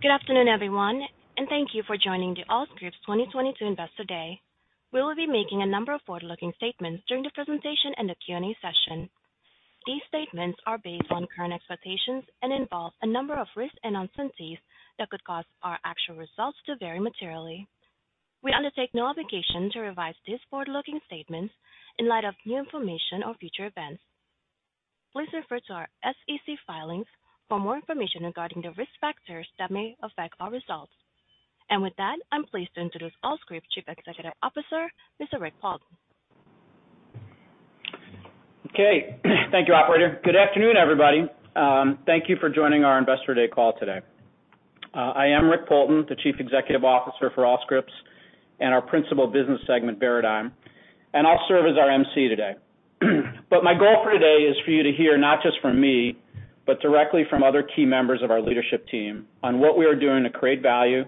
Good afternoon, everyone, and thank you for joining the Allscripts 2022 Investor Day. We will be making a number of forward-looking statements during the presentation and the Q&A session. These statements are based on current expectations and involve a number of risks and uncertainties that could cause our actual results to vary materially. We undertake no obligation to revise these forward-looking statements in light of new information or future events. Please refer to our SEC filings for more information regarding the risk factors that may affect our results. With that, I'm pleased to introduce Allscripts Chief Executive Officer, Mr. Rick Poulton. Okay. Thank you, operator. Good afternoon, everybody. Thank you for joining our Investor Day call today. I am Rick Poulton, the Chief Executive Officer for Allscripts and our principal business segment, Veradigm, and I'll serve as our emcee today. My goal for today is for you to hear not just from me, but directly from other key members of our leadership team on what we are doing to create value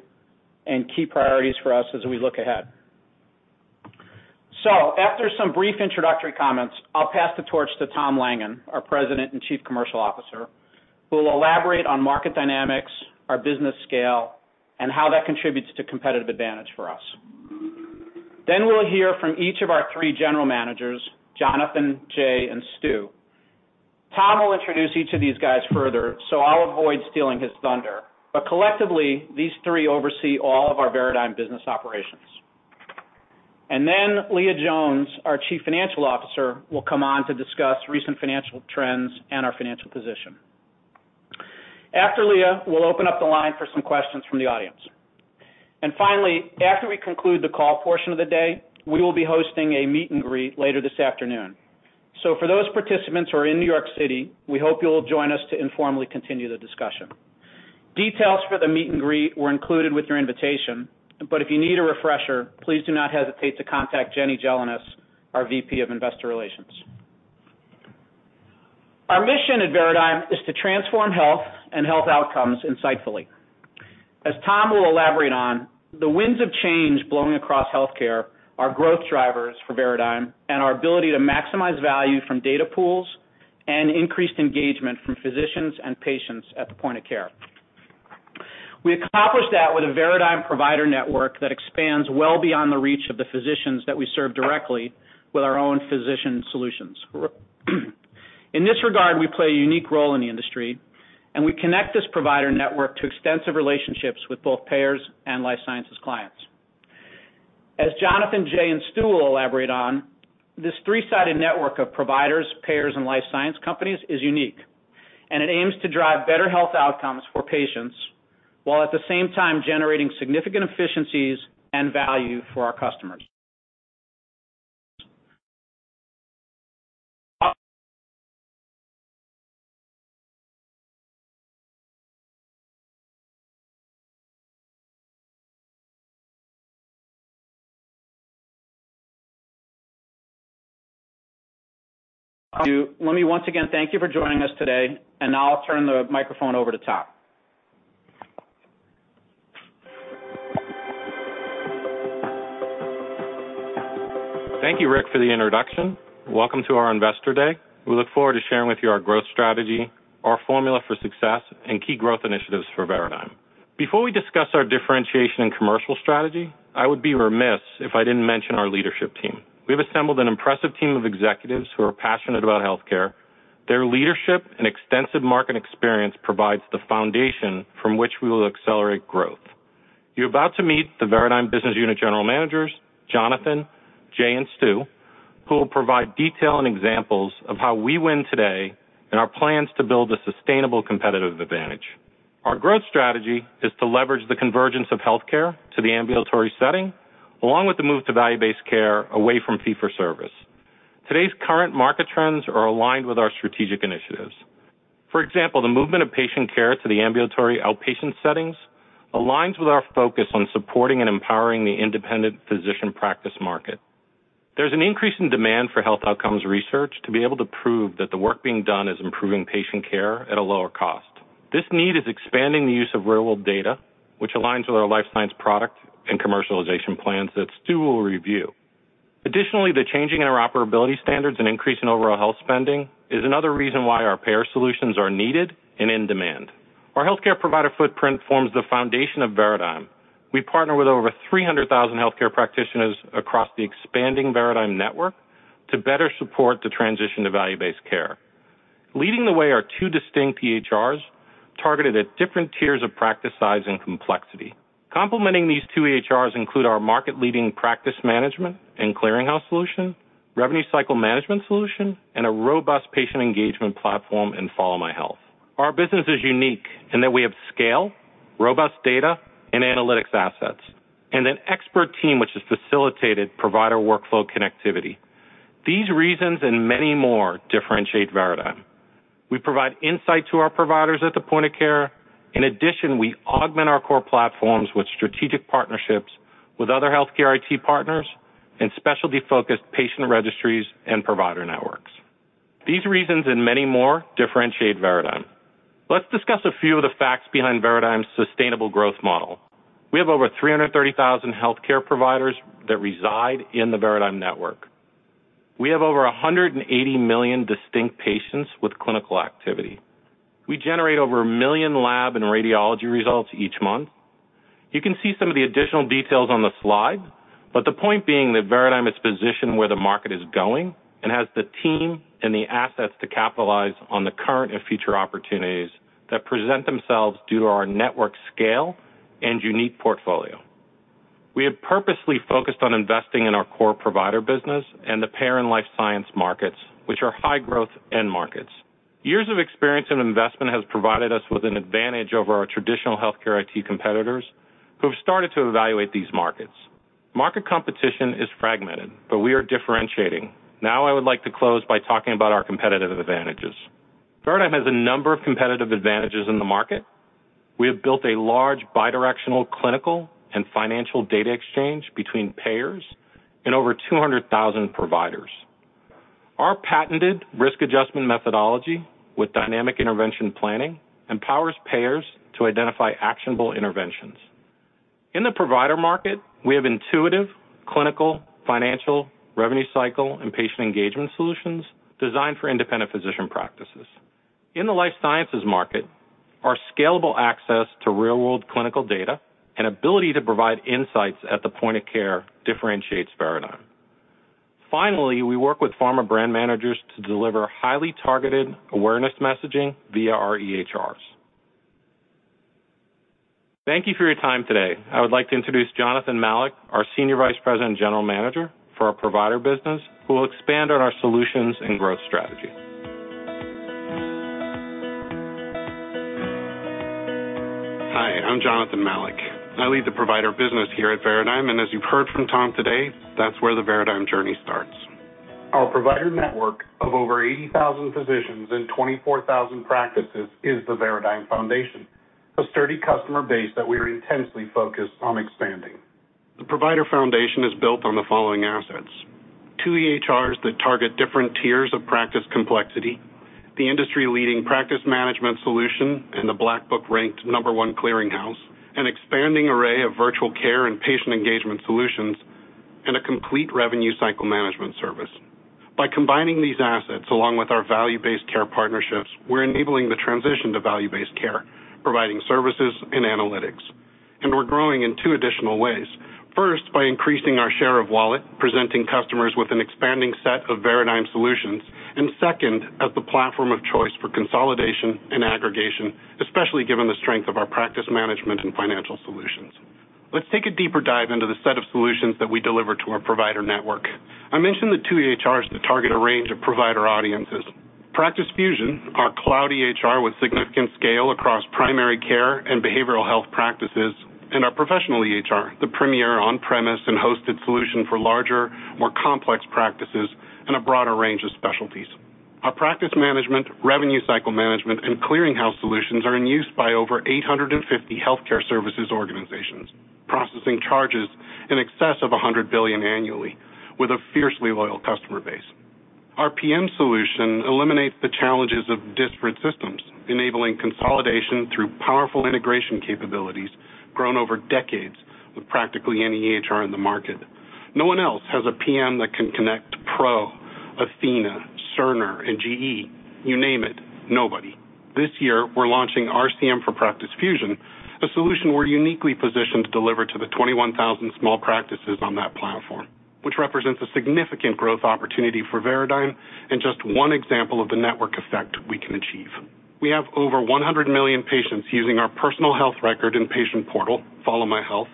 and key priorities for us as we look ahead. After some brief introductory comments, I'll pass the torch to Tom Langan, our President and Chief Commercial Officer, who will elaborate on market dynamics, our business scale, and how that contributes to competitive advantage for us. We'll hear from each of our three general managers, Jonathan, Jay, and Stu. Tom will introduce each of these guys further, so I'll avoid stealing his thunder. Collectively, these three oversee all of our Veradigm business operations. Then Leah Jones, our Chief Financial Officer, will come on to discuss recent financial trends and our financial position. After Leah, we'll open up the line for some questions from the audience. Finally, after we conclude the call portion of the day, we will be hosting a meet and greet later this afternoon. For those participants who are in New York City, we hope you'll join us to informally continue the discussion. Details for the meet and greet were included with your invitation, but if you need a refresher, please do not hesitate to contact Jenny Gelinas, our VP of Investor Relations. Our mission at Veradigm is to transform health and health outcomes insightfully. As Tom will elaborate on, the winds of change blowing across healthcare are growth drivers for Veradigm and our ability to maximize value from data pools and increased engagement from physicians and patients at the point of care. We accomplish that with a Veradigm provider network that expands well beyond the reach of the physicians that we serve directly with our own physician solutions. In this regard, we play a unique role in the industry, and we connect this provider network to extensive relationships with both payers and life sciences clients. As Jonathan, Jay, and Stu will elaborate on, this three-sided network of providers, payers, and life sciences companies is unique, and it aims to drive better health outcomes for patients while at the same time generating significant efficiencies and value for our customers. Let me once again thank you for joining us today, and now I'll turn the microphone over to Tom Langan. Thank you, Rick, for the introduction. Welcome to our Investor Day. We look forward to sharing with you our growth strategy, our formula for success, and key growth initiatives for Veradigm. Before we discuss our differentiation and commercial strategy, I would be remiss if I didn't mention our leadership team. We have assembled an impressive team of executives who are passionate about healthcare. Their leadership and extensive market experience provides the foundation from which we will accelerate growth. You're about to meet the Veradigm business unit general managers, Jonathan Malek, Jay Bhattacharyya, and Stu Green, who will provide detail and examples of how we win today and our plans to build a sustainable competitive advantage. Our growth strategy is to leverage the convergence of healthcare to the ambulatory setting, along with the move to value-based care away from fee-for-service. Today's current market trends are aligned with our strategic initiatives. For example, the movement of patient care to the ambulatory outpatient settings aligns with our focus on supporting and empowering the independent physician practice market. There's an increase in demand for health outcomes research to be able to prove that the work being done is improving patient care at a lower cost. This need is expanding the use of real-world data, which aligns with our life science product and commercialization plans that Stu will review. Additionally, the changing interoperability standards and increase in overall health spending is another reason why our payer solutions are needed and in demand. Our healthcare provider footprint forms the foundation of Veradigm. We partner with over 300,000 healthcare practitioners across the expanding Veradigm network to better support the transition to value-based care. Leading the way are two distinct EHRs targeted at different tiers of practice size and complexity. Complementing these two EHRs include our market-leading practice management and clearing house solution, revenue cycle management solution, and a robust patient engagement platform in FollowMyHealth. Our business is unique in that we have scale, robust data and analytics assets, and an expert team which has facilitated provider workflow connectivity. These reasons and many more differentiate Veradigm. We provide insight to our providers at the point of care. In addition, we augment our core platforms with strategic partnerships with other healthcare IT partners and specialty-focused patient registries and provider networks. These reasons and many more differentiate Veradigm. Let's discuss a few of the facts behind Veradigm's sustainable growth model. We have over 330,000 healthcare providers that reside in the Veradigm network. We have over 180 million distinct patients with clinical activity. We generate over 1 million lab and radiology results each month. You can see some of the additional details on the slide, but the point being that Veradigm is positioned where the market is going and has the team and the assets to capitalize on the current and future opportunities that present themselves due to our network scale and unique portfolio. We have purposely focused on investing in our core provider business and the payer and life science markets, which are high-growth end markets. Years of experience and investment has provided us with an advantage over our traditional healthcare IT competitors who have started to evaluate these markets. Market competition is fragmented, but we are differentiating. Now I would like to close by talking about our competitive advantages. Veradigm has a number of competitive advantages in the market. We have built a large bidirectional clinical and financial data exchange between payers and over 200,000 providers. Our patented risk adjustment methodology with dynamic intervention planning empowers payers to identify actionable interventions. In the provider market, we have intuitive, clinical, financial, revenue cycle, and patient engagement solutions designed for independent physician practices. In the life sciences market, our scalable access to real-world clinical data and ability to provide insights at the point of care differentiates Veradigm. Finally, we work with pharma brand managers to deliver highly targeted awareness messaging via our EHRs. Thank you for your time today. I would like to introduce Jonathan Malek, our Senior Vice President and General Manager for our Provider business, who will expand on our solutions and growth strategy. Hi, I'm Jonathan Malek. I lead the provider business here at Veradigm, and as you've heard from Tom today, that's where the Veradigm journey starts. Our provider network of over 80,000 physicians and 24,000 practices is the Veradigm foundation, a sturdy customer base that we are intensely focused on expanding. The provider foundation is built on the following assets, 2 EHRs that target different tiers of practice complexity, the industry-leading practice management solution and the Black Book ranked #1 clearinghouse, an expanding array of virtual care and patient engagement solutions, and a complete revenue cycle management service. By combining these assets along with our value-based care partnerships, we're enabling the transition to value-based care, providing services and analytics. We're growing in 2 additional ways. First, by increasing our share of wallet, presenting customers with an expanding set of Veradigm solutions. Second, as the platform of choice for consolidation and aggregation, especially given the strength of our practice management and financial solutions. Let's take a deeper dive into the set of solutions that we deliver to our provider network. I mentioned the two EHRs that target a range of provider audiences. Practice Fusion, our cloud EHR with significant scale across primary care and behavioral health practices, and our Professional EHR, the premier on-premise and hosted solution for larger, more complex practices and a broader range of specialties. Our practice management, revenue cycle management, and clearing house solutions are in use by over 850 healthcare services organizations, processing charges in excess of $100 billion annually with a fiercely loyal customer base. Our PM solution eliminates the challenges of disparate systems, enabling consolidation through powerful integration capabilities grown over decades with practically any EHR in the market. No one else has a PM that can connect Professional, athenahealth, Cerner, and GE. You name it, nobody. This year, we're launching RCM for Practice Fusion, a solution we're uniquely positioned to deliver to the 21,000 small practices on that platform, which represents a significant growth opportunity for Veradigm and just one example of the network effect we can achieve. We have over 100 million patients using our personal health record and patient portal, FollowMyHealth,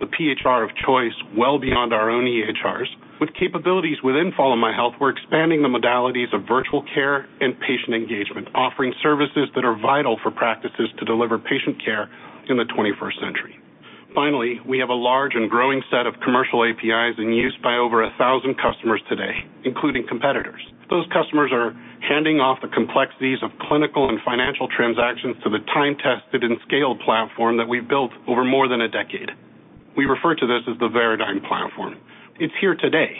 the PHR of choice well beyond our own EHRs. With capabilities within FollowMyHealth, we're expanding the modalities of virtual care and patient engagement, offering services that are vital for practices to deliver patient care in the 21st century. Finally, we have a large and growing set of commercial APIs in use by over 1,000 customers today, including competitors. Those customers are handing off the complexities of clinical and financial transactions to the time-tested and scaled platform that we've built over more than a decade. We refer to this as the Veradigm platform. It's here today,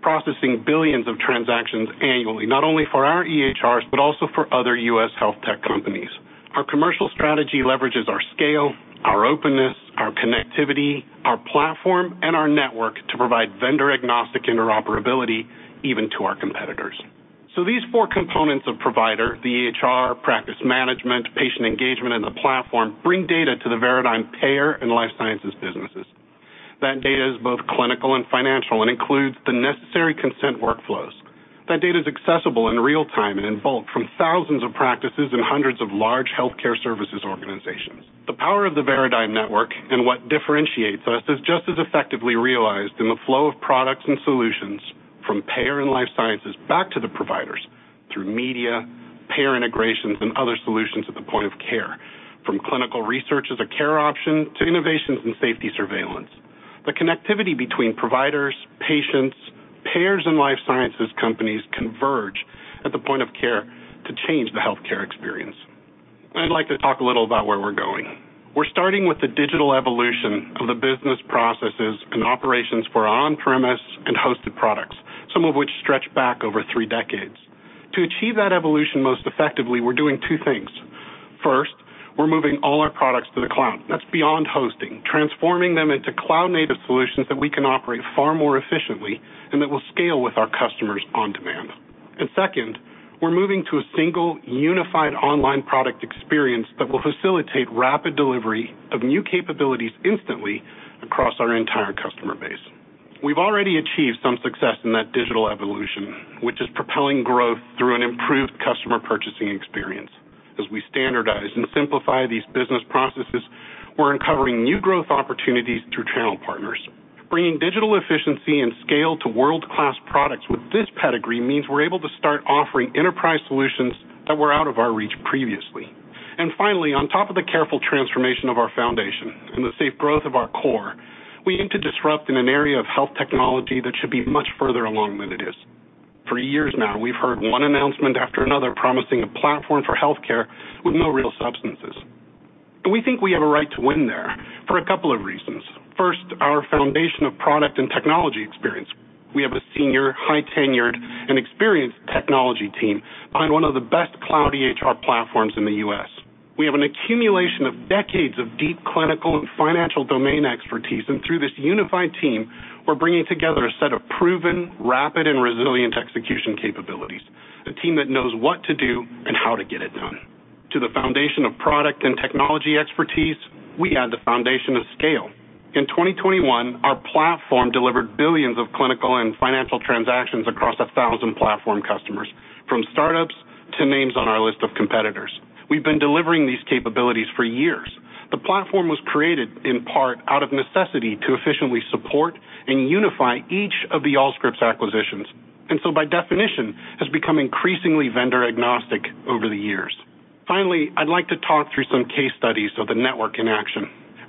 processing billions of transactions annually, not only for our EHRs, but also for other U.S. health tech companies. Our commercial strategy leverages our scale, our openness, our connectivity, our platform, and our network to provide vendor-agnostic interoperability even to our competitors. These four components of Provider, the EHR, practice management, patient engagement, and the platform, bring data to the Veradigm Payer and Life Sciences businesses. That data is both clinical and financial and includes the necessary consent workflows. That data is accessible in real time and in bulk from thousands of practices and hundreds of large healthcare services organizations. The power of the Veradigm network and what differentiates us is just as effectively realized in the flow of products and solutions from payer and life sciences back to the providers through media, payer integrations, and other solutions at the point of care, from clinical research as a care option to innovations in safety surveillance. The connectivity between providers, patients, payers, and life sciences companies converge at the point of care to change the healthcare experience. I'd like to talk a little about where we're going. We're starting with the digital evolution of the business processes and operations for our on-premise and hosted products, some of which stretch back over three decades. To achieve that evolution most effectively, we're doing two things. First, we're moving all our products to the cloud. That's beyond hosting, transforming them into cloud-native solutions that we can operate far more efficiently and that will scale with our customers on demand. Second, we're moving to a single unified online product experience that will facilitate rapid delivery of new capabilities instantly across our entire customer base. We've already achieved some success in that digital evolution, which is propelling growth through an improved customer purchasing experience. As we standardize and simplify these business processes, we're uncovering new growth opportunities through channel partners. Bringing digital efficiency and scale to world-class products with this pedigree means we're able to start offering enterprise solutions that were out of our reach previously. Finally, on top of the careful transformation of our foundation and the safe growth of our core, we aim to disrupt in an area of health technology that should be much further along than it is. For years now, we've heard one announcement after another promising a platform for healthcare with no real substances. We think we have a right to win there for a couple of reasons. First, our foundation of product and technology experience. We have a senior, high-tenured, and experienced technology team behind one of the best cloud EHR platforms in the U.S. We have an accumulation of decades of deep clinical and financial domain expertise. Through this unified team, we're bringing together a set of proven, rapid, and resilient execution capabilities. A team that knows what to do and how to get it done. To the foundation of product and technology expertise, we add the foundation of scale. In 2021, our platform delivered billions of clinical and financial transactions across 1,000 platform customers, from startups to names on our list of competitors. We've been delivering these capabilities for years. The platform was created in part out of necessity to efficiently support and unify each of the Allscripts acquisitions. By definition, has become increasingly vendor-agnostic over the years. Finally, I'd like to talk through some case studies of the network in action.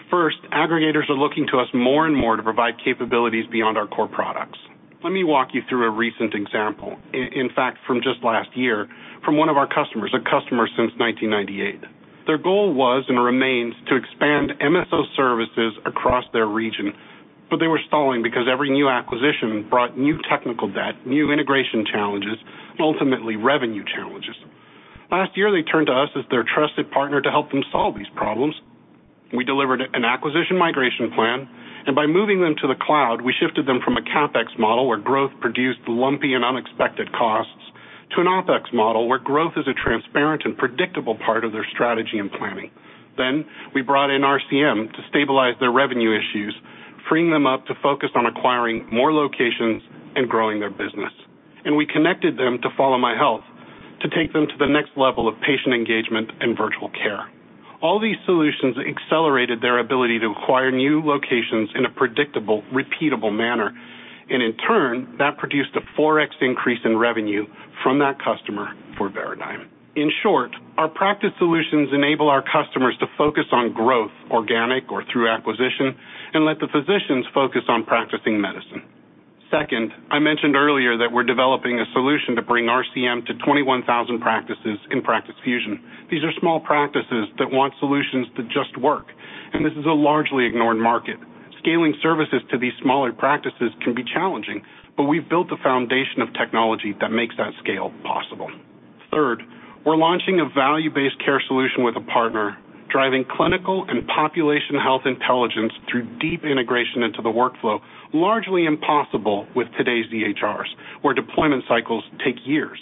First, aggregators are looking to us more and more to provide capabilities beyond our core products. Let me walk you through a recent example. In fact, from just last year from one of our customers, a customer since 1998. Their goal was and remains to expand MSO services across their region. They were stalling because every new acquisition brought new technical debt, new integration challenges, and ultimately, revenue challenges. Last year, they turned to us as their trusted partner to help them solve these problems. We delivered an acquisition migration plan, and by moving them to the cloud, we shifted them from a CapEx model where growth produced lumpy and unexpected costs to an OpEx model, where growth is a transparent and predictable part of their strategy and planning. We brought in RCM to stabilize their revenue issues, freeing them up to focus on acquiring more locations and growing their business. We connected them to FollowMyHealth to take them to the next level of patient engagement and virtual care. All these solutions accelerated their ability to acquire new locations in a predictable, repeatable manner, and in turn, that produced a 4x increase in revenue from that customer for Veradigm. In short, our practice solutions enable our customers to focus on growth, organic or through acquisition, and let the physicians focus on practicing medicine. Second, I mentioned earlier that we're developing a solution to bring RCM to 21,000 practices in Practice Fusion. These are small practices that want solutions to just work, and this is a largely ignored market. Scaling services to these smaller practices can be challenging, but we've built a foundation of technology that makes that scale possible. Third, we're launching a value-based care solution with a partner, driving clinical and population health intelligence through deep integration into the workflow, largely impossible with today's EHRs, where deployment cycles take years.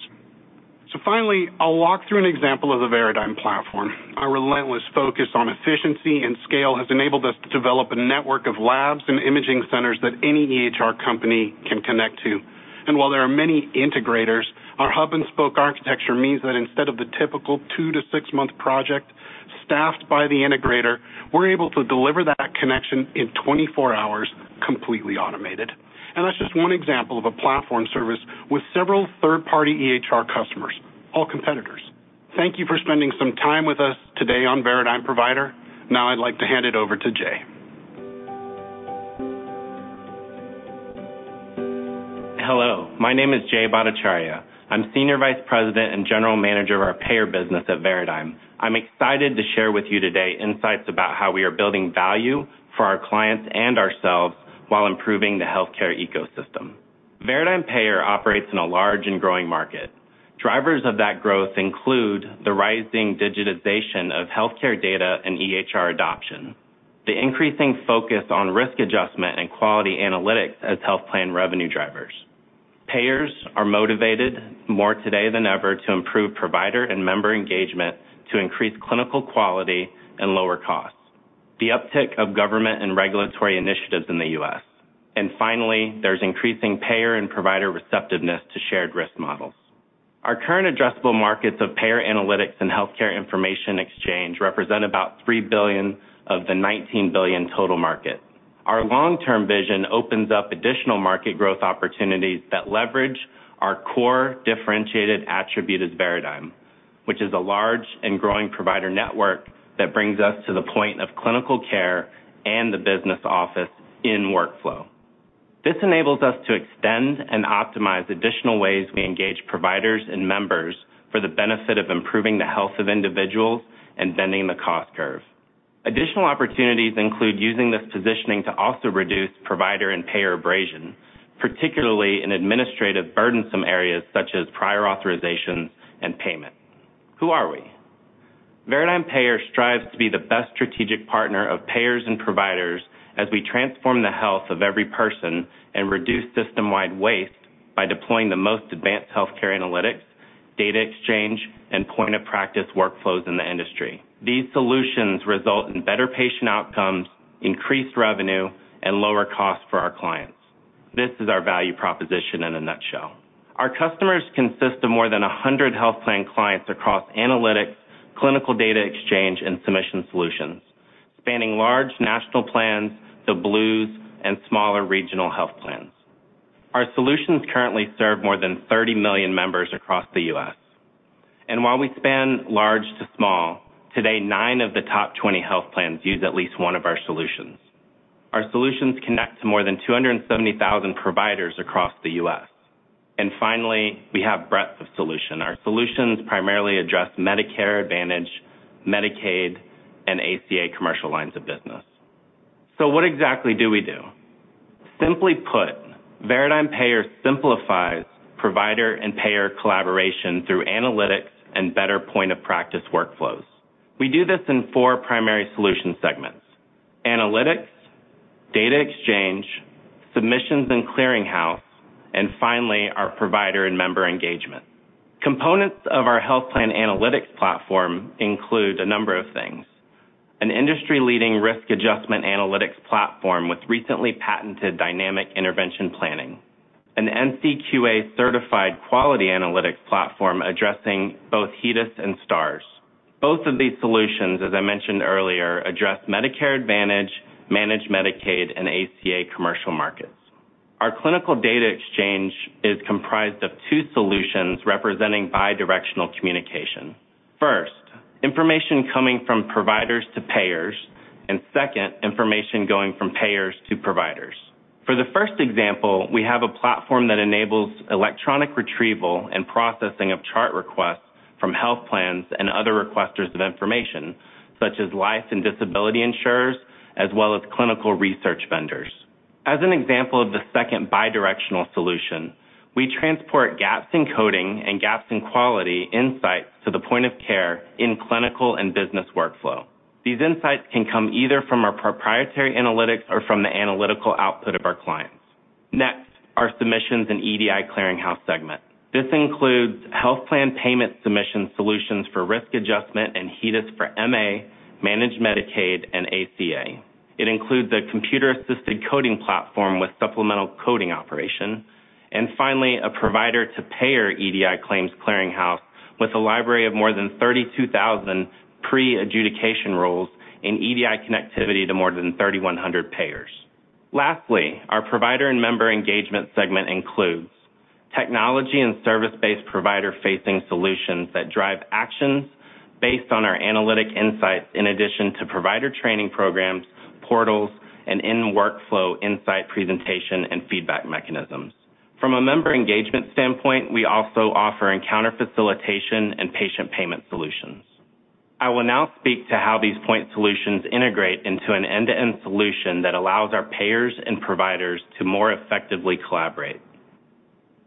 Finally, I'll walk through an example of the Veradigm platform. Our relentless focus on efficiency and scale has enabled us to develop a network of labs and imaging centers that any EHR company can connect to. While there are many integrators, our hub and spoke architecture means that instead of the typical 2- to 6-month project staffed by the integrator, we're able to deliver that connection in 24 hours, completely automated. That's just one example of a platform service with several third-party EHR customers, all competitors. Thank you for spending some time with us today on Veradigm Provider. Now I'd like to hand it over to Jay. Hello, my name is Jay Bhattacharyya. I'm Senior Vice President and General Manager of our payer business at Veradigm. I'm excited to share with you today insights about how we are building value for our clients and ourselves while improving the healthcare ecosystem. Veradigm Payer operates in a large and growing market. Drivers of that growth include the rising digitization of healthcare data and EHR adoption. The increasing focus on risk adjustment and quality analytics as health plan revenue drivers. Payers are motivated more today than ever to improve provider and member engagement to increase clinical quality and lower costs. The uptick of government and regulatory initiatives in the U.S. Finally, there's increasing payer and provider receptiveness to shared risk models. Our current addressable markets of payer analytics and healthcare information exchange represent about $3 billion of the $19 billion total market. Our long-term vision opens up additional market growth opportunities that leverage our core differentiated attribute as Veradigm, which is a large and growing provider network that brings us to the point of clinical care and the business office in workflow. This enables us to extend and optimize additional ways we engage providers and members for the benefit of improving the health of individuals and bending the cost curve. Additional opportunities include using this positioning to also reduce provider and payer abrasion, particularly in administrative burdensome areas such as prior authorizations and payment. Who are we? Veradigm Payer strives to be the best strategic partner of payers and providers as we transform the health of every person and reduce system-wide waste by deploying the most advanced healthcare analytics, data exchange, and point-of-practice workflows in the industry. These solutions result in better patient outcomes, increased revenue, and lower costs for our clients. This is our value proposition in a nutshell. Our customers consist of more than 100 health plan clients across analytics, clinical data exchange, and submission solutions, spanning large national plans, the Blues, and smaller regional health plans. Our solutions currently serve more than 30 million members across the U.S. While we span large to small, today, nine of the top 20 health plans use at least one of our solutions. Our solutions connect to more than 270,000 providers across the U.S. Finally, we have breadth of solution. Our solutions primarily address Medicare Advantage, Medicaid, and ACA commercial lines of business. What exactly do we do? Simply put, Veradigm Payer simplifies provider and payer collaboration through analytics and better point-of-practice workflows. We do this in 4 primary solution segments, analytics, data exchange, submissions and clearing house, and finally, our provider and member engagement. Components of our health plan analytics platform include a number of things. An industry-leading risk adjustment analytics platform with recently patented Dynamic Intervention Planning. An NCQA-certified quality analytics platform addressing both HEDIS and Stars. Both of these solutions, as I mentioned earlier, address Medicare Advantage, Managed Medicaid, and ACA commercial markets. Our clinical data exchange is comprised of two solutions representing bi-directional communication. First, information coming from providers to payers, and second, information going from payers to providers. For the first example, we have a platform that enables electronic retrieval and processing of chart requests from health plans and other requesters of information, such as life and disability insurers, as well as clinical research vendors. As an example of the second bi-directional solution, we transport gaps in coding and gaps in quality insights to the point of care in clinical and business workflow. These insights can come either from our proprietary analytics or from the analytical output of our clients. Next, our submissions and EDI clearinghouse segment. This includes health plan payment submission solutions for risk adjustment and HEDIS for MA, managed Medicaid, and ACA. It includes a computer-assisted coding platform with supplemental coding operation. Finally, a provider-to-payer EDI claims clearinghouse with a library of more than 32,000 pre-adjudication rules and EDI connectivity to more than 3,100 payers. Lastly, our provider and member engagement segment includes technology and service-based provider-facing solutions that drive actions based on our analytic insights in addition to provider training programs, portals, and in-workflow insight presentation and feedback mechanisms. From a member engagement standpoint, we also offer encounter facilitation and patient payment solutions. I will now speak to how these point solutions integrate into an end-to-end solution that allows our payers and providers to more effectively collaborate.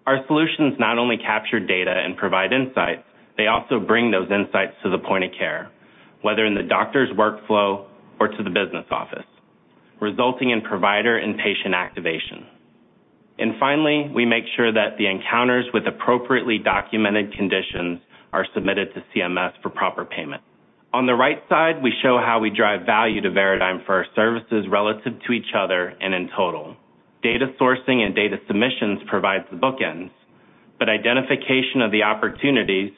Our solutions not only capture data and provide insights, they also bring those insights to the point of care, whether in the doctor's workflow or to the business office, resulting in provider and patient activation. Finally, we make sure that the encounters with appropriately documented conditions are submitted to CMS for proper payment. On the right side, we show how we drive value to Veradigm for our services relative to each other and in total. Data sourcing and data submissions provides the bookends, but identification of the opportunities,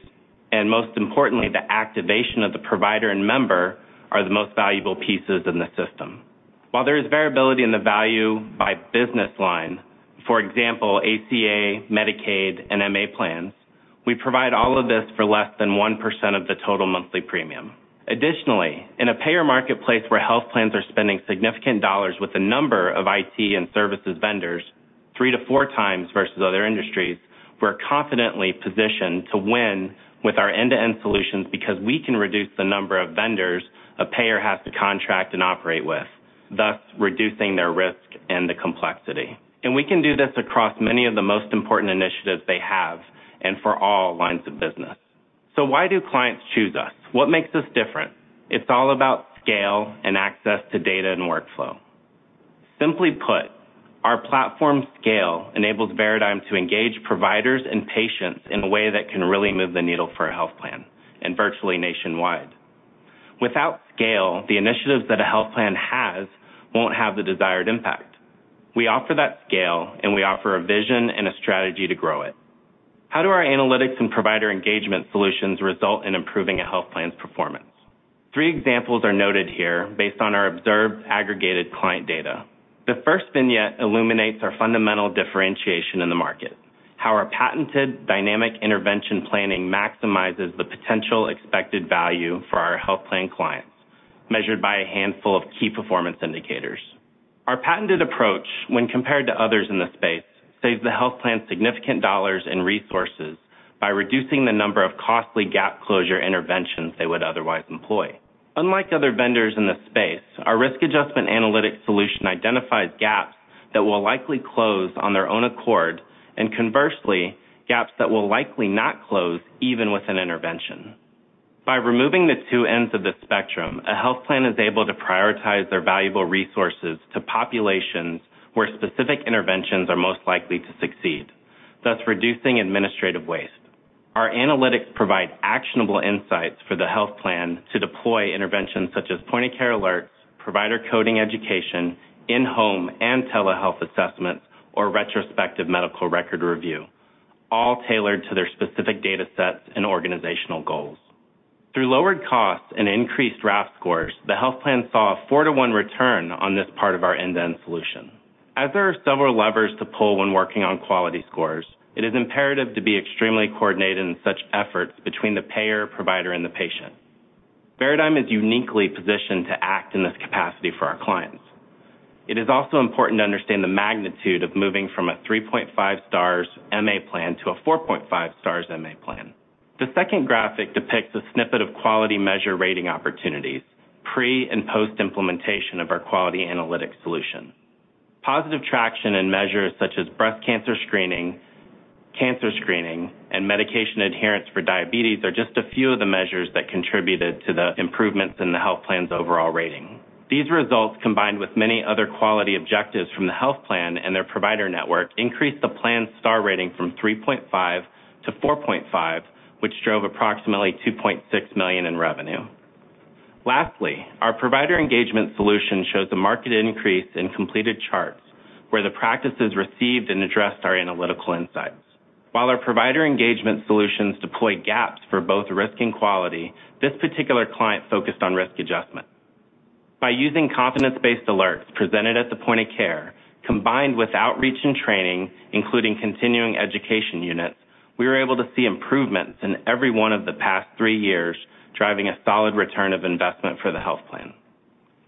and most importantly, the activation of the provider and member are the most valuable pieces in the system. While there is variability in the value by business line, for example, ACA, Medicaid, and MA plans, we provide all of this for less than 1% of the total monthly premium. Additionally, in a payer marketplace where health plans are spending significant dollars with a number of IT and services vendors 3-4 times versus other industries, we're confidently positioned to win with our end-to-end solutions because we can reduce the number of vendors a payer has to contract and operate with, thus reducing their risk and the complexity. We can do this across many of the most important initiatives they have and for all lines of business. Why do clients choose us? What makes us different? It's all about scale and access to data and workflow. Simply put, our platform scale enables Veradigm to engage providers and patients in a way that can really move the needle for a health plan and virtually nationwide. Without scale, the initiatives that a health plan has won't have the desired impact. We offer that scale, and we offer a vision and a strategy to grow it. How do our analytics and provider engagement solutions result in improving a health plan's performance? Three examples are noted here based on our observed aggregated client data. The first vignette illuminates our fundamental differentiation in the market, how our patented Dynamic Intervention Planning maximizes the potential expected value for our health plan clients, measured by a handful of key performance indicators. Our patented approach, when compared to others in the space, saves the health plan significant dollars and resources by reducing the number of costly gap closure interventions they would otherwise employ. Unlike other vendors in this space, our risk adjustment analytic solution identifies gaps that will likely close on their own accord, and conversely, gaps that will likely not close even with an intervention. By removing the two ends of the spectrum, a health plan is able to prioritize their valuable resources to populations where specific interventions are most likely to succeed, thus reducing administrative waste. Our analytics provide actionable insights for the health plan to deploy interventions such as point-of-care alerts, provider coding education, in-home and telehealth assessments, or retrospective medical record review, all tailored to their specific datasets and organizational goals. Through lowered costs and increased RAF scores, the health plan saw a 4-1 return on this part of our end-to-end solution. As there are several levers to pull when working on quality scores, it is imperative to be extremely coordinated in such efforts between the payer, provider, and the patient. Veradigm is uniquely positioned to act in this capacity for our clients. It is also important to understand the magnitude of moving from a 3.5 Stars MA plan to a 4.5 Stars MA plan. The second graphic depicts a snippet of quality measure rating opportunities, pre and post-implementation of our quality analytics solution. Positive traction and measures such as breast cancer screening, cancer screening, and medication adherence for diabetes are just a few of the measures that contributed to the improvements in the health plan's overall rating. These results, combined with many other quality objectives from the health plan and their provider network, increased the plan's Star rating from 3.5-4.5, which drove approximately $2.6 million in revenue. Lastly, our provider engagement solution shows a marked increase in completed charts where the practices received and addressed our analytical insights. While our provider engagement solutions deploy gaps for both risk and quality, this particular client focused on risk adjustment. By using confidence-based alerts presented at the point of care, combined with outreach and training, including continuing education units, we were able to see improvements in every one of the past three years, driving a solid return on investment for the health plan.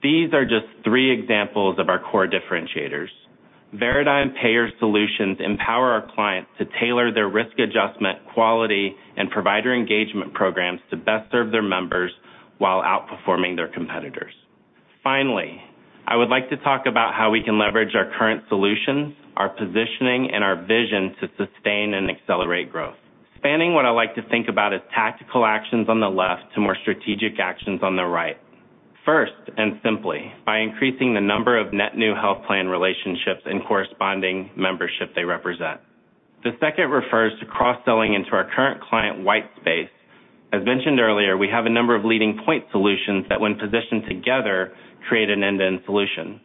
These are just three examples of our core differentiators. Veradigm Payer Solutions empower our clients to tailor their risk adjustment, quality, and provider engagement programs to best serve their members while outperforming their competitors. Finally, I would like to talk about how we can leverage our current solutions, our positioning, and our vision to sustain and accelerate growth. Spanning what I like to think about as tactical actions on the left to more strategic actions on the right. First, and simply, by increasing the number of net new health plan relationships and corresponding membership they represent. The second refers to cross-selling into our current client white space. As mentioned earlier, we have a number of leading point solutions that, when positioned together, create an end-to-end solution.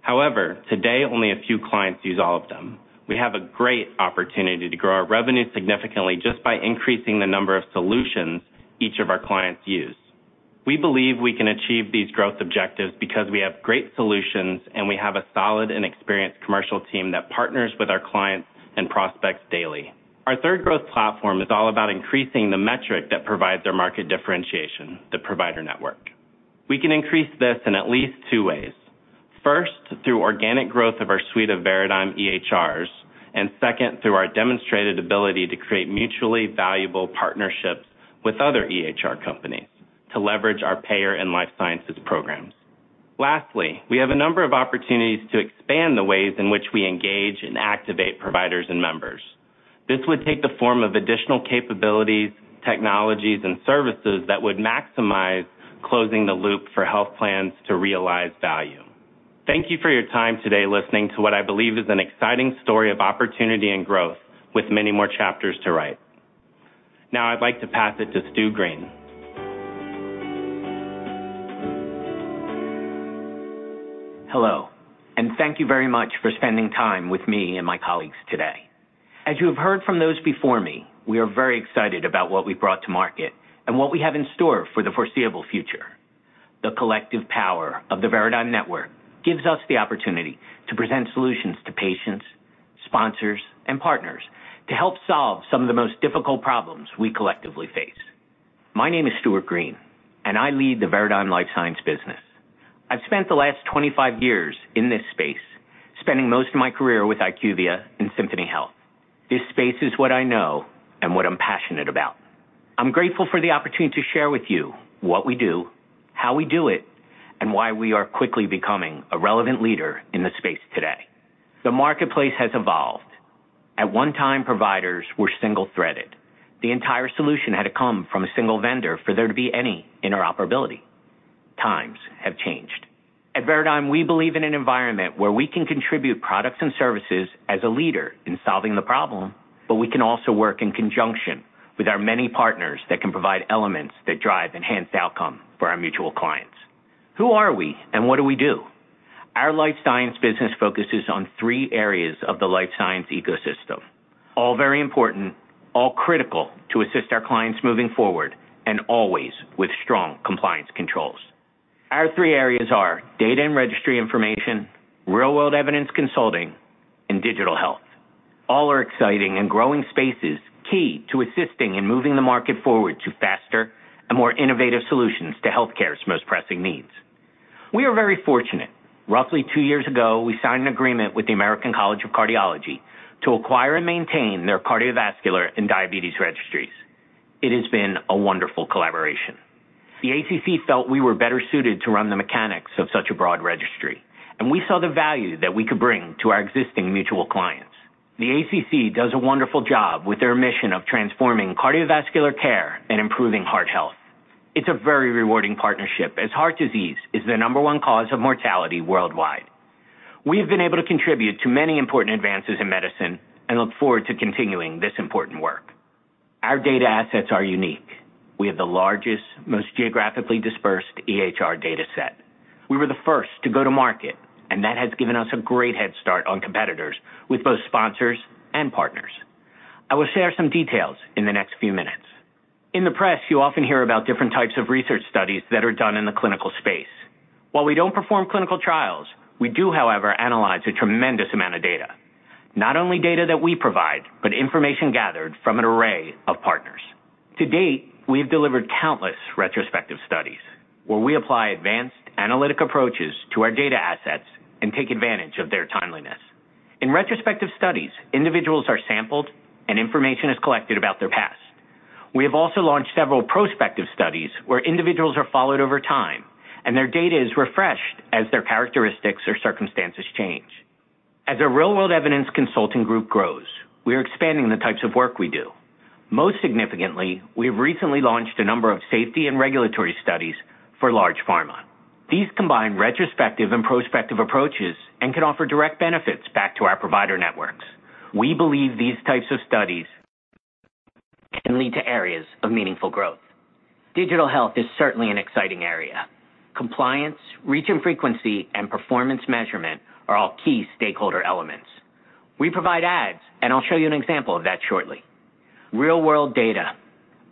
However, today, only a few clients use all of them. We have a great opportunity to grow our revenue significantly just by increasing the number of solutions each of our clients use. We believe we can achieve these growth objectives because we have great solutions, and we have a solid and experienced commercial team that partners with our clients and prospects daily. Our third growth platform is all about increasing the metric that provides our market differentiation, the provider network. We can increase this in at least two ways. First, through organic growth of our suite of Veradigm EHRs, and second, through our demonstrated ability to create mutually valuable partnerships with other EHR companies to leverage our payer and life sciences programs. Lastly, we have a number of opportunities to expand the ways in which we engage and activate providers and members. This would take the form of additional capabilities, technologies, and services that would maximize closing the loop for health plans to realize value. Thank you for your time today listening to what I believe is an exciting story of opportunity and growth with many more chapters to write. Now I'd like to pass it to Stu Green. Hello, and thank you very much for spending time with me and my colleagues today. As you have heard from those before me, we are very excited about what we've brought to market and what we have in store for the foreseeable future. The collective power of the Veradigm network gives us the opportunity to present solutions to patients, sponsors, and partners to help solve some of the most difficult problems we collectively face. My name is Stuart Green, and I lead the Veradigm Life Sciences business. I've spent the last 25 years in this space, spending most of my career with IQVIA and Symphony Health. This space is what I know and what I'm passionate about. I'm grateful for the opportunity to share with you what we do, how we do it, and why we are quickly becoming a relevant leader in this space today. The marketplace has evolved. At one time, providers were single-threaded. The entire solution had to come from a single vendor for there to be any interoperability. Times have changed. At Veradigm, we believe in an environment where we can contribute products and services as a leader in solving the problem, but we can also work in conjunction with our many partners that can provide elements that drive enhanced outcome for our mutual clients. Who are we and what do we do? Our life science business focuses on three areas of the life science ecosystem. All very important, all critical to assist our clients moving forward, and always with strong compliance controls. Our three areas are data and registry information, real-world evidence consulting in digital health. All are exciting and growing spaces, key to assisting in moving the market forward to faster and more innovative solutions to healthcare's most pressing needs. We are very fortunate. Roughly two years ago, we signed an agreement with the American College of Cardiology to acquire and maintain their cardiovascular and diabetes registries. It has been a wonderful collaboration. The ACC felt we were better suited to run the mechanics of such a broad registry, and we saw the value that we could bring to our existing mutual clients. The ACC does a wonderful job with their mission of transforming cardiovascular care and improving heart health. It's a very rewarding partnership as heart disease is the number one cause of mortality worldwide. We have been able to contribute to many important advances in medicine and look forward to continuing this important work. Our data assets are unique. We have the largest, most geographically dispersed EHR data set. We were the first to go to market, and that has given us a great head start on competitors with both sponsors and partners. I will share some details in the next few minutes. In the press, you often hear about different types of research studies that are done in the clinical space. While we don't perform clinical trials, we do, however, analyze a tremendous amount of data. Not only data that we provide, but information gathered from an array of partners. To date, we have delivered countless retrospective studies where we apply advanced analytic approaches to our data assets and take advantage of their timeliness. In retrospective studies, individuals are sampled and information is collected about their past. We have also launched several prospective studies where individuals are followed over time and their data is refreshed as their characteristics or circumstances change. As our real-world evidence consulting group grows, we are expanding the types of work we do. Most significantly, we have recently launched a number of safety and regulatory studies for large pharma. These combine retrospective and prospective approaches and can offer direct benefits back to our provider networks. We believe these types of studies can lead to areas of meaningful growth. Digital health is certainly an exciting area. Compliance, reach and frequency, and performance measurement are all key stakeholder elements. We provide ads, and I'll show you an example of that shortly. Real-world data.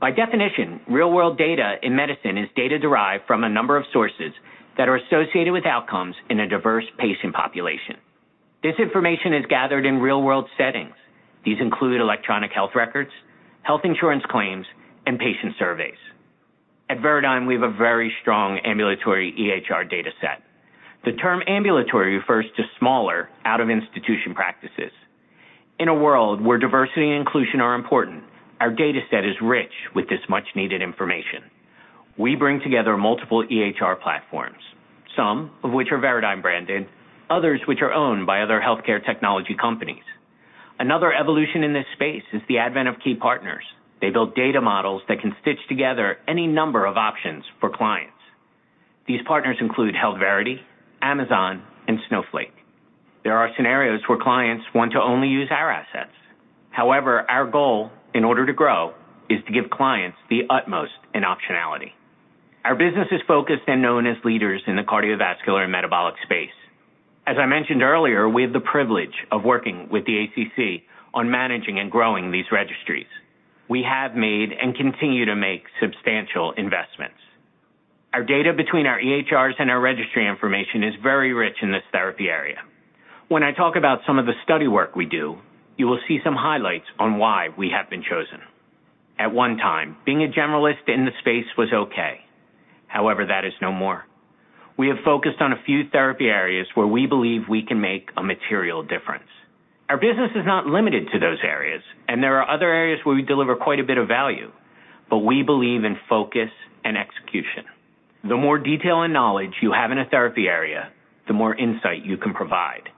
By definition, real-world data in medicine is data derived from a number of sources that are associated with outcomes in a diverse patient population. This information is gathered in real-world settings. These include electronic health records, health insurance claims, and patient surveys. At Veradigm, we have a very strong ambulatory EHR data set. The term ambulatory refers to smaller out-of-institution practices. In a world where diversity and inclusion are important, our data set is rich with this much-needed information. We bring together multiple EHR platforms, some of which are Veradigm branded, others which are owned by other healthcare technology companies. Another evolution in this space is the advent of key partners. They build data models that can stitch together any number of options for clients. These partners include HealthVerity, Amazon, and Snowflake. There are scenarios where clients want to only use our assets. However, our goal, in order to grow, is to give clients the utmost in optionality. Our business is focused and known as leaders in the cardiovascular and metabolic space. As I mentioned earlier, we have the privilege of working with the ACC on managing and growing these registries. We have made and continue to make substantial investments. Our data between our EHRs and our registry information is very rich in this therapy area. When I talk about some of the study work we do, you will see some highlights on why we have been chosen. At one time, being a generalist in the space was okay. However, that is no more. We have focused on a few therapy areas where we believe we can make a material difference. Our business is not limited to those areas, and there are other areas where we deliver quite a bit of value, but we believe in focus and execution. The more detail and knowledge you have in a therapy area, the more insight you can provide.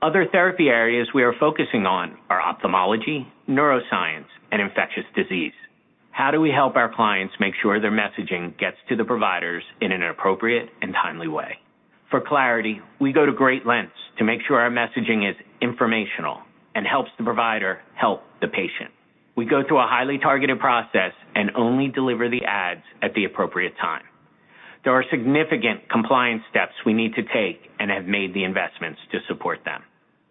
Other therapy areas we are focusing on are ophthalmology, neuroscience, and infectious disease. How do we help our clients make sure their messaging gets to the providers in an appropriate and timely way? For clarity, we go to great lengths to make sure our messaging is informational and helps the provider help the patient. We go through a highly targeted process and only deliver the ads at the appropriate time. There are significant compliance steps we need to take and have made the investments to support them.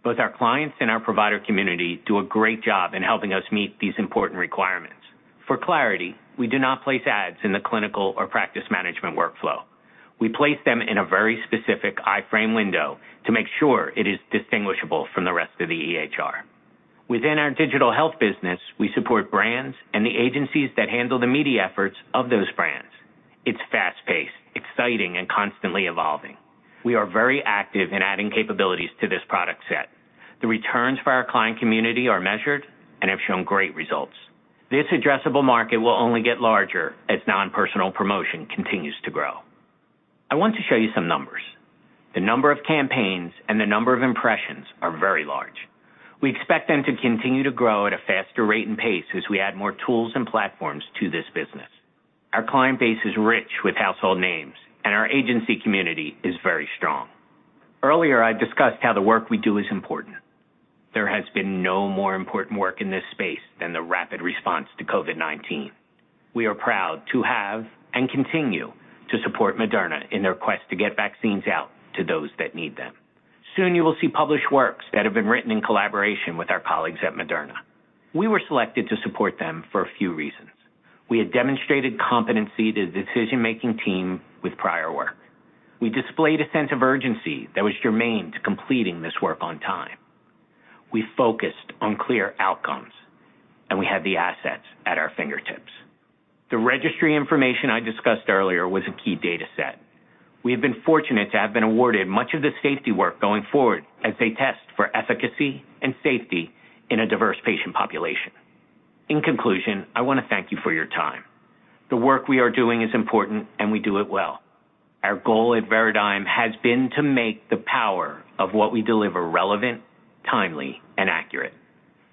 Both our clients and our provider community do a great job in helping us meet these important requirements. For clarity, we do not place ads in the clinical or practice management workflow. We place them in a very specific iframe window to make sure it is distinguishable from the rest of the EHR. Within our digital health business, we support brands and the agencies that handle the media efforts of those brands. It's fast-paced, exciting, and constantly evolving. We are very active in adding capabilities to this product set. The returns for our client community are measured and have shown great results. This addressable market will only get larger as non-personal promotion continues to grow. I want to show you some numbers. The number of campaigns and the number of impressions are very large. We expect them to continue to grow at a faster rate and pace as we add more tools and platforms to this business. Our client base is rich with household names, and our agency community is very strong. Earlier, I discussed how the work we do is important. There has been no more important work in this space than the rapid response to COVID-19. We are proud to have and continue to support Moderna in their quest to get vaccines out to those that need them. Soon you will see published works that have been written in collaboration with our colleagues at Moderna. We were selected to support them for a few reasons. We had demonstrated competency to the decision-making team with prior work. We displayed a sense of urgency that was germane to completing this work on time. We focused on clear outcomes, and we had the assets at our fingertips. The registry information I discussed earlier was a key data set. We have been fortunate to have been awarded much of the safety work going forward as they test for efficacy and safety in a diverse patient population. In conclusion, I wanna thank you for your time. The work we are doing is important, and we do it well. Our goal at Veradigm has been to make the power of what we deliver relevant, timely, and accurate.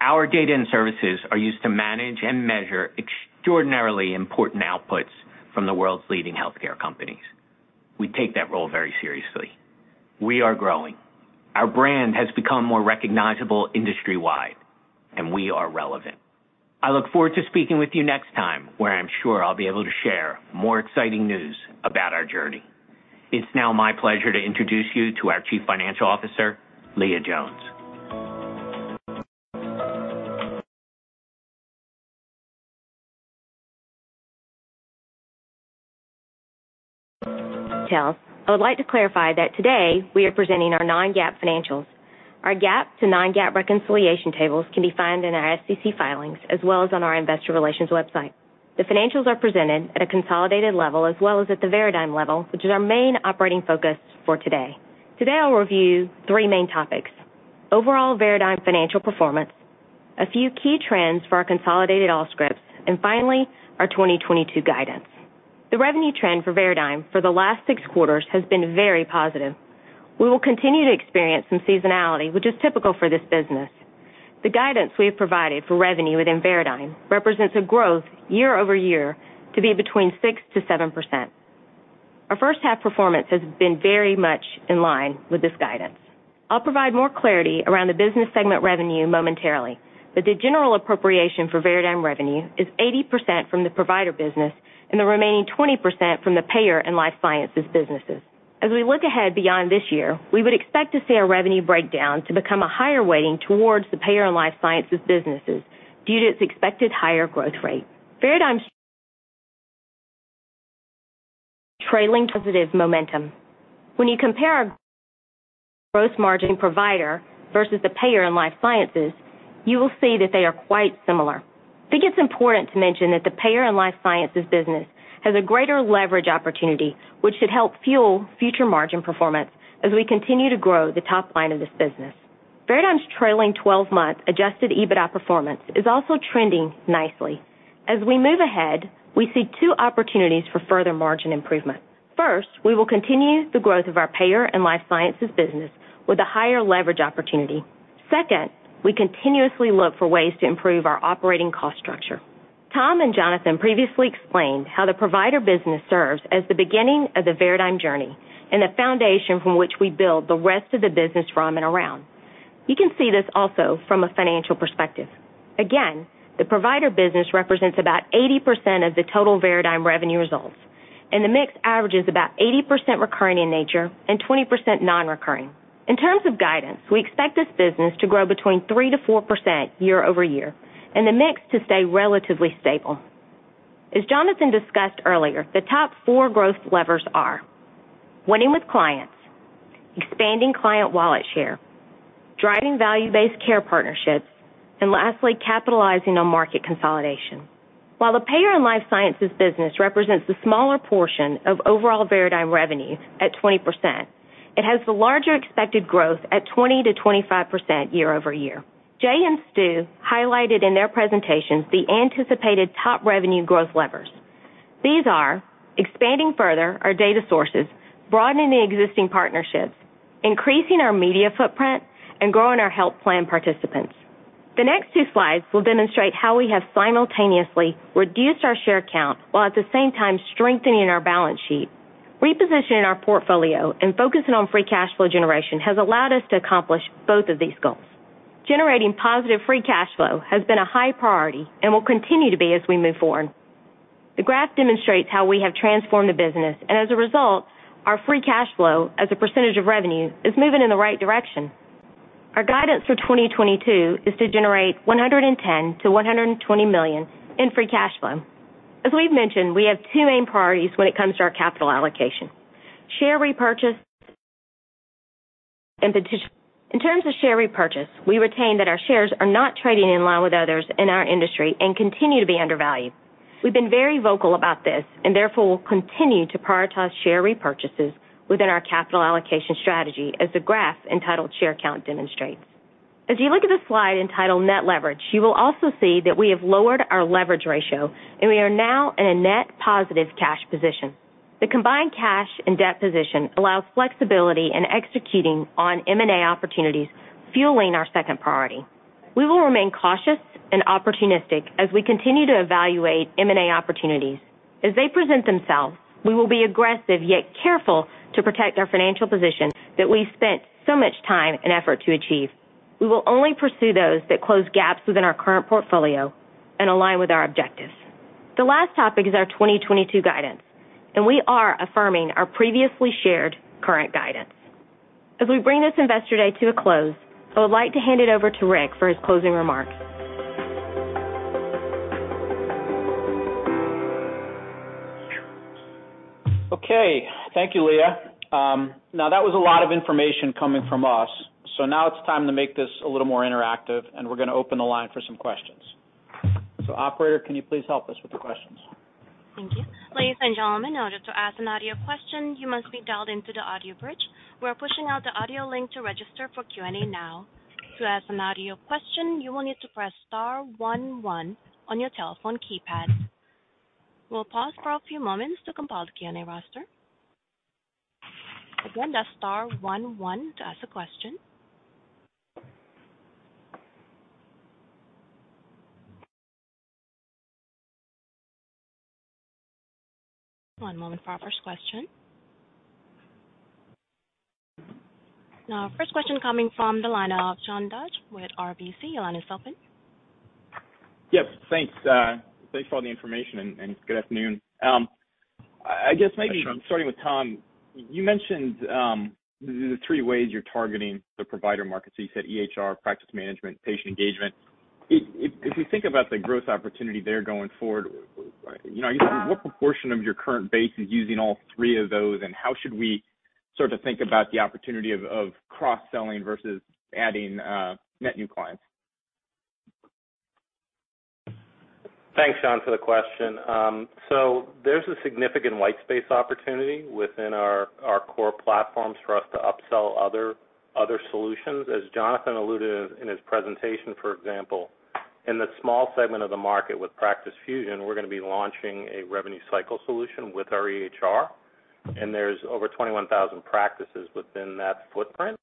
Our data and services are used to manage and measure extraordinarily important outputs from the world's leading healthcare companies. We take that role very seriously. We are growing. Our brand has become more recognizable industry-wide, and we are relevant. I look forward to speaking with you next time, where I'm sure I'll be able to share more exciting news about our journey. It's now my pleasure to introduce you to our Chief Financial Officer, Leah Jones. Well, I would like to clarify that today we are presenting our non-GAAP financials. Our GAAP to non-GAAP reconciliation tables can be found in our SEC filings as well as on our investor relations website. The financials are presented at a consolidated level as well as at the Veradigm level, which is our main operating focus for today. Today, I'll review three main topics, overall Veradigm financial performance, a few key trends for our consolidated Allscripts, and finally, our 2022 guidance. The revenue trend for Veradigm for the last six quarters has been very positive. We will continue to experience some seasonality, which is typical for this business. The guidance we have provided for revenue within Veradigm represents a growth year over year to be between 6%-7%. Our first half performance has been very much in line with this guidance. I'll provide more clarity around the business segment revenue momentarily, but the general approximation for Veradigm revenue is 80% from the provider business and the remaining 20% from the payer and life sciences businesses. As we look ahead beyond this year, we would expect to see our revenue breakdown to become a higher weighting towards the payer and life sciences businesses due to its expected higher growth rate. Veradigm's trailing positive momentum. When you compare gross margin provider versus the payer and life sciences, you will see that they are quite similar. I think it's important to mention that the payer and life sciences business has a greater leverage opportunity, which should help fuel future margin performance as we continue to grow the top line of this business. Veradigm's trailing 12-month adjusted EBITDA performance is also trending nicely. As we move ahead, we see two opportunities for further margin improvement. First, we will continue the growth of our payer and life sciences business with a higher leverage opportunity. Second, we continuously look for ways to improve our operating cost structure. Tom and Jonathan previously explained how the provider business serves as the beginning of the Veradigm journey and the foundation from which we build the rest of the business from and around. You can see this also from a financial perspective. Again, the provider business represents about 80% of the total Veradigm revenue results, and the mix averages about 80% recurring in nature and 20% non-recurring. In terms of guidance, we expect this business to grow between 3%-4% year-over-year and the mix to stay relatively stable. As Jonathan discussed earlier, the top four growth levers are winning with clients, expanding client wallet share, driving value-based care partnerships, and lastly, capitalizing on market consolidation. While the payer and life sciences business represents the smaller portion of overall Veradigm revenue at 20%, it has the larger expected growth at 20%-25% year-over-year. Jay and Stu highlighted in their presentations the anticipated top revenue growth levers. These are expanding further our data sources, broadening the existing partnerships, increasing our media footprint, and growing our health plan participants. The next two slides will demonstrate how we have simultaneously reduced our share count while at the same time strengthening our balance sheet. Repositioning our portfolio and focusing on free cash flow generation has allowed us to accomplish both of these goals. Generating positive free cash flow has been a high priority and will continue to be as we move forward. The graph demonstrates how we have transformed the business, and as a result, our free cash flow as a percentage of revenue is moving in the right direction. Our guidance for 2022 is to generate $110 million-$120 million in free cash flow. As we've mentioned, we have two main priorities when it comes to our capital allocation: share repurchase. In terms of share repurchase, we maintain that our shares are not trading in line with others in our industry and continue to be undervalued. We've been very vocal about this and therefore will continue to prioritize share repurchases within our capital allocation strategy as the graph entitled Share Count demonstrates. As you look at the slide entitled Net Leverage, you will also see that we have lowered our leverage ratio, and we are now in a net positive cash position. The combined cash and debt position allows flexibility in executing on M&A opportunities, fueling our second priority. We will remain cautious and opportunistic as we continue to evaluate M&A opportunities. As they present themselves, we will be aggressive, yet careful to protect our financial position that we spent so much time and effort to achieve. We will only pursue those that close gaps within our current portfolio and align with our objectives. The last topic is our 2022 guidance, and we are affirming our previously shared current guidance. As we bring this Investor Day to a close, I would like to hand it over to Rick for his closing remarks. Okay. Thank you, Leah. Now that was a lot of information coming from us. Now it's time to make this a little more interactive, and we're gonna open the line for some questions. Operator, can you please help us with the questions? Thank you. Ladies and gentlemen, in order to ask an audio question, you must be dialed into the audio bridge. We're pushing out the audio link to register for Q&A now. To ask an audio question, you will need to press star one one on your telephone keypad. We'll pause for a few moments to compile the Q&A roster. Again, that's star one one to ask a question. One moment for our first question. Now, first question coming from the line of Sean Dodge with RBC. Your line is open. Yes, thanks. Thanks for all the information and good afternoon. I guess maybe starting with Tom, you mentioned the three ways you're targeting the provider market. You said EHR, practice management, patient engagement. If you think about the growth opportunity there going forward, you know, what proportion of your current base is using all three of those, and how should we sort of think about the opportunity of cross-selling versus adding net new clients? Thanks, Sean, for the question. There's a significant white space opportunity within our core platforms for us to upsell other solutions. As Jonathan alluded in his presentation, for example, in the small segment of the market with Practice Fusion, we're gonna be launching a revenue cycle solution with our EHR, and there's over 21,000 practices within that footprint.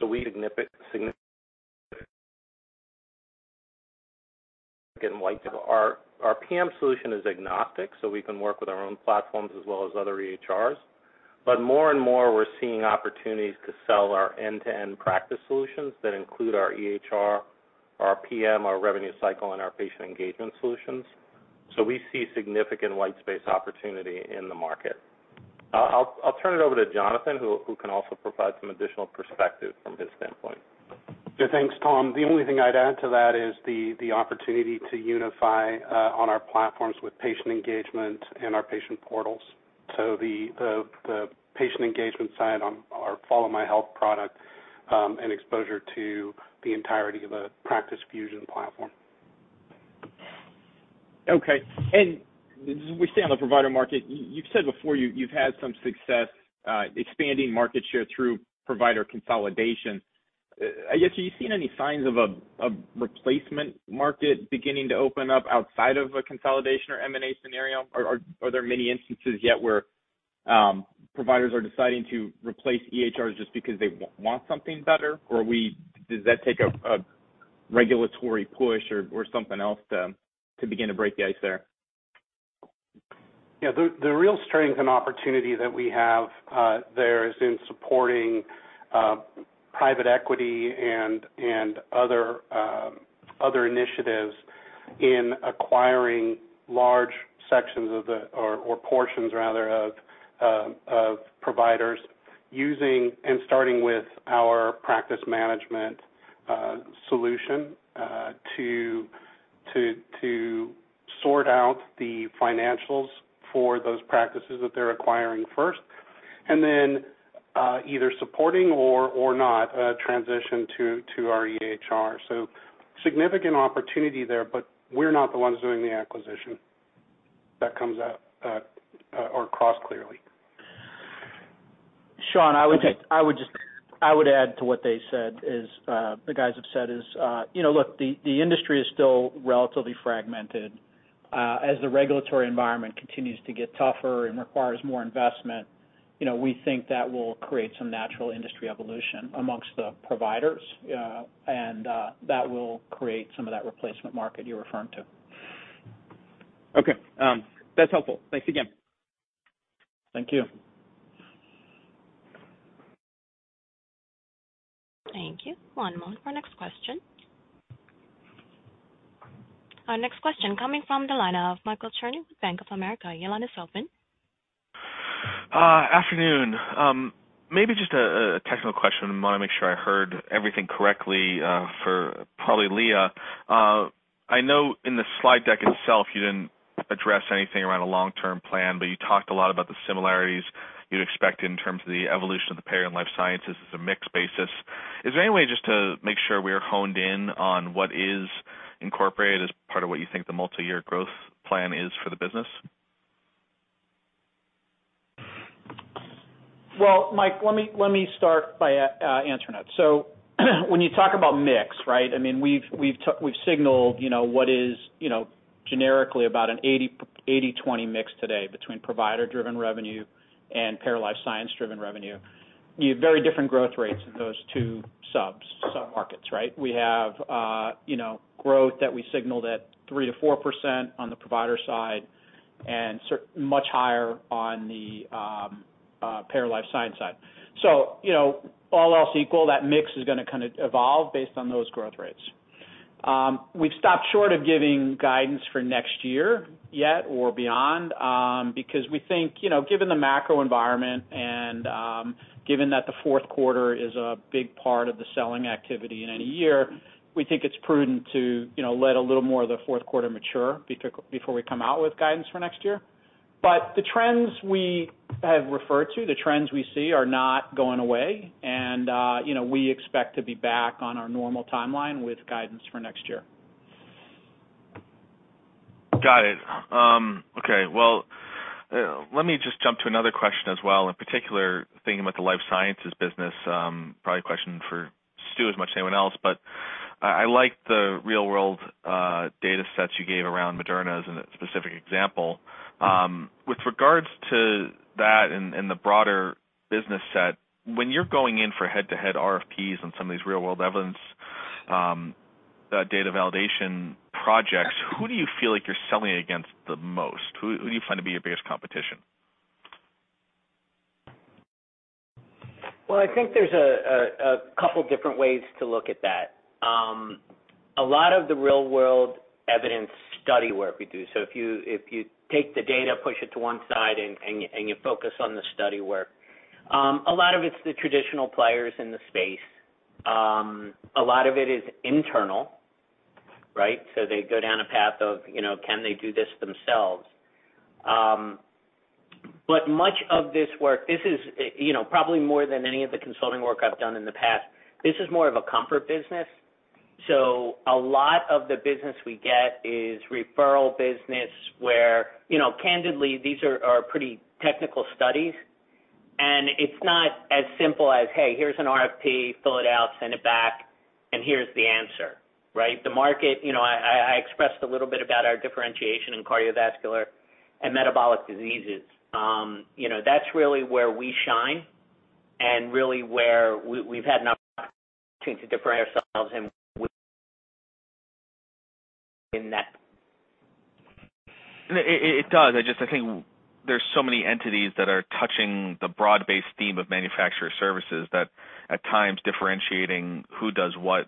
We see significant white space. Our PM solution is agnostic, so we can work with our own platforms as well as other EHRs. But more and more, we're seeing opportunities to sell our end-to-end practice solutions that include our EHR, our PM, our revenue cycle, and our patient engagement solutions. We see significant white space opportunity in the market. I'll turn it over to Jonathan, who can also provide some additional perspective from his standpoint. Yeah. Thanks, Tom. The only thing I'd add to that is the opportunity to unify on our platforms with patient engagement and our patient portals. The patient engagement side on our FollowMyHealth product, and exposure to the entirety of a Practice Fusion platform. Okay. We stay on the provider market. You've said before you've had some success expanding market share through provider consolidation. I guess, have you seen any signs of a replacement market beginning to open up outside of a consolidation or M&A scenario? Or are there many instances yet where providers are deciding to replace EHRs just because they want something better? Or does that take a regulatory push or something else to begin to break the ice there? Yeah. The real strength and opportunity that we have there is in supporting private equity and other initiatives in acquiring portions rather of providers using and starting with our practice management solution to sort out the financials for those practices that they're acquiring first, and then either supporting or not a transition to our EHR. Significant opportunity there, but we're not the ones doing the acquisition. That comes across clearly. Sean, I would add to what they said, the guys have said, you know, look, the industry is still relatively fragmented. As the regulatory environment continues to get tougher and requires more investment, you know, we think that will create some natural industry evolution among the providers, and that will create some of that replacement market you're referring to. Okay. That's helpful. Thanks again. Thank you. Thank you. One moment for our next question. Our next question coming from the line of Michael Cherny with Bank of America. Your line is open. Afternoon. Maybe just a technical question. I wanna make sure I heard everything correctly, for probably Leah. I know in the slide deck itself, you didn't address anything around a long-term plan, but you talked a lot about the similarities you'd expect in terms of the evolution of the payer and life sciences as a mixed basis. Is there any way just to make sure we are honed in on what is incorporated as part of what you think the multiyear growth plan is for the business? Well, Mike, let me start by answering that. When you talk about mix, right, I mean, we've signaled, you know, what is, you know, generically about an 80/20 mix today between provider-driven revenue and payer life science-driven revenue. You have very different growth rates in those two sub-markets, right? We have, you know, growth that we signaled at 3%-4% on the provider side and much higher on the payer life science side. You know, all else equal, that mix is gonna kinda evolve based on those growth rates. We've stopped short of giving guidance for next year yet or beyond, because we think, you know, given the macro environment and given that the fourth quarter is a big part of the selling activity in any year. We think it's prudent to, you know, let a little more of the fourth quarter mature before we come out with guidance for next year. The trends we have referred to, the trends we see are not going away. You know, we expect to be back on our normal timeline with guidance for next year. Got it. Okay. Well, let me just jump to another question as well. In particular, thinking about the life sciences business, probably a question for Stu as much as anyone else, but I like the real-world data sets you gave around Moderna as a specific example. With regards to that and the broader business set, when you're going in for head-to-head RFPs on some of these real-world evidence data validation projects, who do you feel like you're selling against the most? Who do you find to be your biggest competition? Well, I think there's a couple different ways to look at that. A lot of the real-world evidence study work we do, so if you take the data, push it to one side and you focus on the study work, a lot of it's the traditional players in the space. A lot of it is internal, right? They go down a path of, you know, can they do this themselves? Much of this work, this is, you know, probably more than any of the consulting work I've done in the past, this is more of a comfort business. A lot of the business we get is referral business where, you know, candidly, these are pretty technical studies, and it's not as simple as, "Hey, here's an RFP, fill it out, send it back, and here's the answer," right? The market, you know, I expressed a little bit about our differentiation in cardiovascular and metabolic diseases. You know, that's really where we shine and really where we've had an opportunity to differentiate ourselves and win that. It does. I just think there's so many entities that are touching the broad-based theme of manufacturer services that, at times, differentiating who does what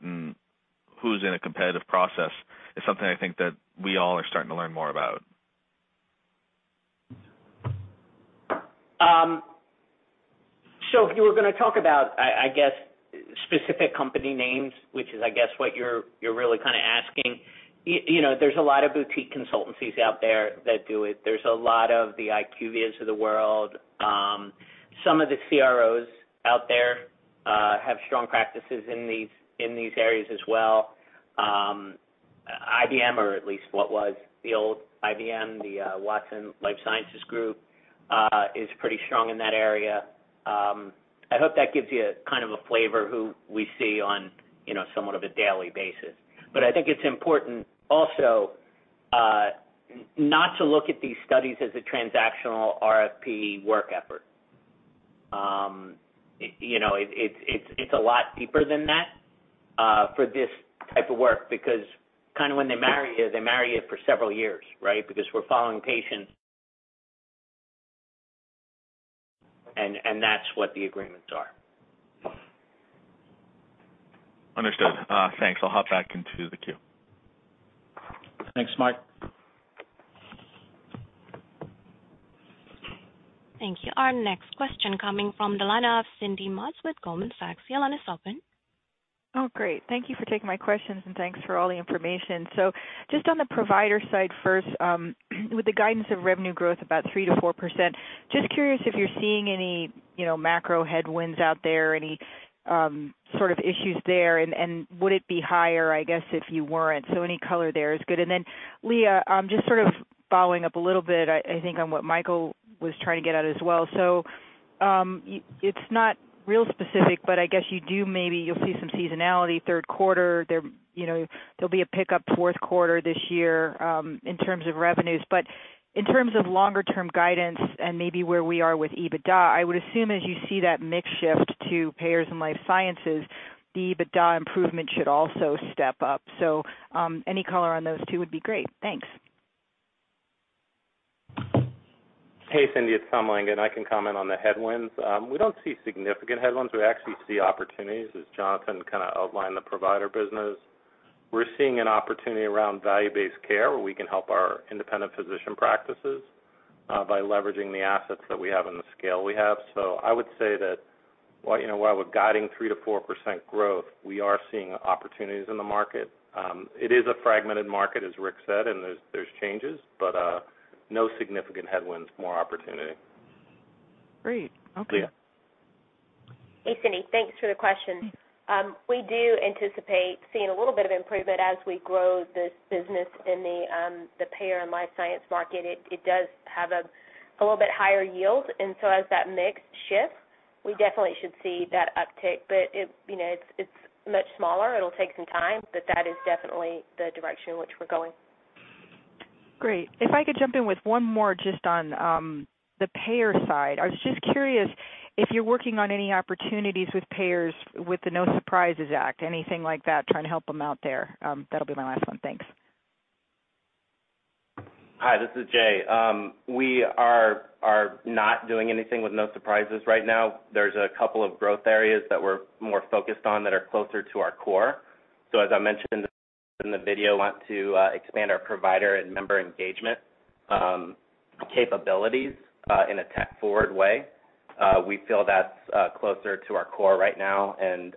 and who's in a competitive process is something I think that we all are starting to learn more about. If you were gonna talk about, I guess specific company names, which is I guess what you're really kinda asking, you know, there's a lot of boutique consultancies out there that do it. There's a lot of the IQVIAs of the world. Some of the CROs out there have strong practices in these areas as well. IBM or at least what was the old IBM, the Watson Health life sciences group, is pretty strong in that area. I hope that gives you a kind of a flavor who we see on, you know, somewhat of a daily basis. I think it's important also not to look at these studies as a transactional RFP work effort. You know, it's a lot deeper than that for this type of work because kinda when they marry you, they marry you for several years, right? Because we're following patients. That's what the agreements are. Understood. Thanks. I'll hop back into the queue. Thanks, Mike. Thank you. Our next question coming from the line of Cindy Motz with Goldman Sachs. Your line is open. Oh, great. Thank you for taking my questions, and thanks for all the information. Just on the provider side first, with the guidance of revenue growth about 3%-4%, just curious if you're seeing any, you know, macro headwinds out there, any sort of issues there, and would it be higher, I guess, if you weren't. Any color there is good. Then, Leah, just sort of following up a little bit, I think on what Michael was trying to get at as well. It's not real specific, but I guess maybe you'll see some seasonality third quarter there, you know, there'll be a pickup fourth quarter this year in terms of revenues. In terms of longer term guidance and maybe where we are with EBITDA, I would assume as you see that mix shift to payers and life sciences, the EBITDA improvement should also step up. Any color on those two would be great. Thanks. Hey, Cindy, it's Tom Langan. I can comment on the headwinds. We don't see significant headwinds. We actually see opportunities, as Jonathan kinda outlined the provider business. We're seeing an opportunity around value-based care where we can help our independent physician practices by leveraging the assets that we have and the scale we have. I would say that, you know, while we're guiding 3%-4% growth, we are seeing opportunities in the market. It is a fragmented market, as Rick said, and there's changes, but no significant headwinds. More opportunity. Great. Okay. Leah. Hey, Cindy. Thanks for the question. We do anticipate seeing a little bit of improvement as we grow this business in the payer and life science market. It does have a little bit higher yield. As that mix shifts, we definitely should see that uptick. It, you know, it's much smaller. It'll take some time, but that is definitely the direction in which we're going. Great. If I could jump in with one more just on the payer side. I was just curious if you're working on any opportunities with payers with the No Surprises Act, anything like that, trying to help them out there. That'll be my last one. Thanks. Hi, this is Jay. We are not doing anything with No Surprises right now. There's a couple of growth areas that we're more focused on that are closer to our core. As I mentioned in the video, want to expand our provider and member engagement capabilities in a tech-forward way. We feel that's closer to our core right now and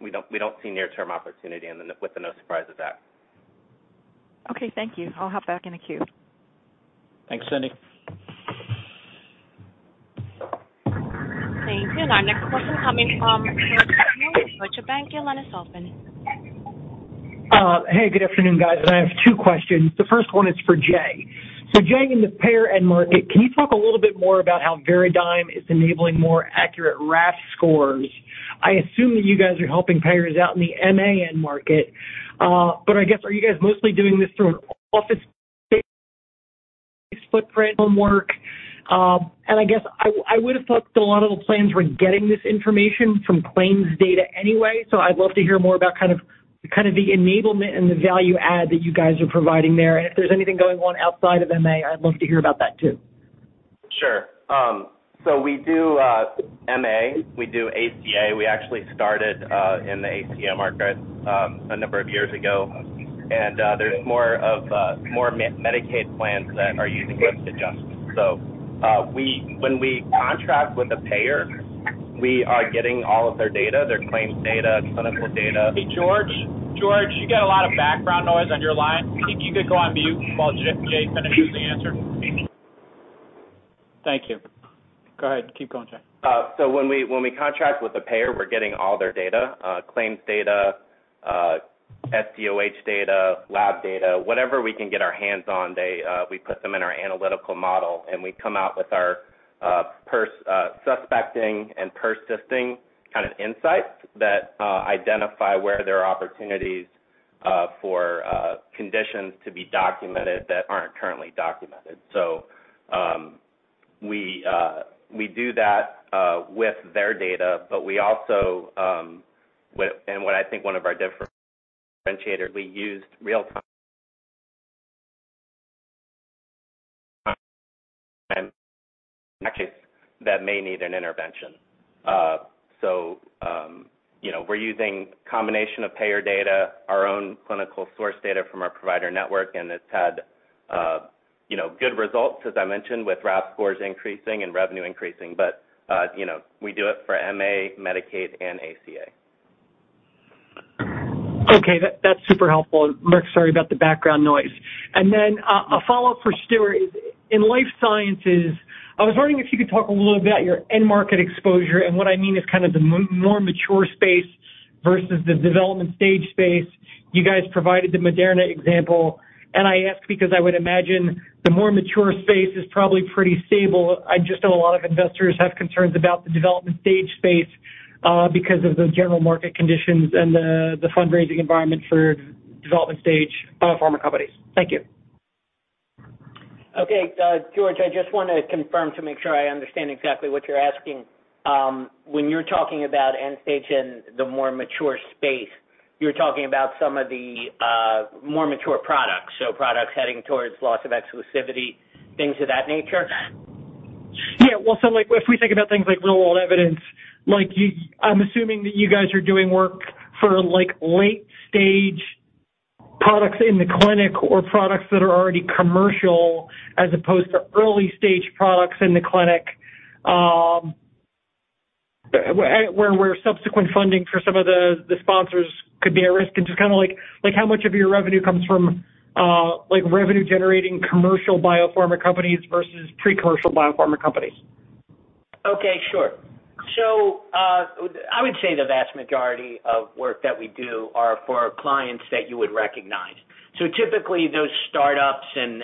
we don't see near-term opportunity with the No Surprises Act. Okay, thank you. I'll hop back in the queue. Thanks, Cindy. Thank you. Our next question coming from George Hill with Deutsche Bank. Your line is open. Hey, good afternoon, guys. I have two questions. The first one is for Jay. Jay, in the payer end market, can you talk a little bit more about how Veradigm is enabling more accurate RAF scores? I assume that you guys are helping payers out in the MA end market. I guess, are you guys mostly doing this through an EHR footprint? How come? I guess I would have thought that a lot of the plans were getting this information from claims data anyway. I'd love to hear more about kind of the enablement and the value add that you guys are providing there. If there's anything going on outside of MA, I'd love to hear about that too. Sure. We do MA, we do ACA. We actually started in the ACA market a number of years ago. There's more Medicaid plans that are using risk adjustments. When we contract with a payer, we are getting all of their data, their claims data, clinical data. Hey, George. George, you get a lot of background noise on your line. If you could go on mute while Jay finishes the answer. Thank you. Go ahead. Keep going, Jay. When we contract with the payer, we're getting all their data, claims data, SDOH data, lab data, whatever we can get our hands on data, we put them in our analytical model, and we come out with our suspecting and persisting kind of insights that identify where there are opportunities for conditions to be documented that aren't currently documented. We do that with their data, but we also with what I think one of our differentiators, we use real-time that may need an intervention. You know, we're using combination of payer data, our own clinical source data from our provider network, and it's had you know, good results, as I mentioned, with RAF scores increasing and revenue increasing. you know, we do it for MA, Medicaid, and ACA. Okay. That's super helpful. Mark, sorry about the background noise. A follow-up for Stuart. In life sciences, I was wondering if you could talk a little about your end market exposure, and what I mean is kind of the more mature space versus the development stage space. You guys provided the Moderna example. I ask because I would imagine the more mature space is probably pretty stable. I just know a lot of investors have concerns about the development stage space, because of the general market conditions and the fundraising environment for development stage pharma companies. Thank you. Okay. George, I just wanna confirm to make sure I understand exactly what you're asking. When you're talking about end stage and the more mature space, you're talking about some of the more mature products, so products heading towards loss of exclusivity, things of that nature? Yeah. Well, so, like, if we think about things like real-world evidence, like, I'm assuming that you guys are doing work for, like, late stage products in the clinic or products that are already commercial, as opposed to early stage products in the clinic, where subsequent funding for some of the sponsors could be at risk. Just kinda like, how much of your revenue comes from, like, revenue generating commercial biopharma companies versus pre-commercial biopharma companies? Okay, sure. I would say the vast majority of work that we do are for clients that you would recognize. Typically, those startups and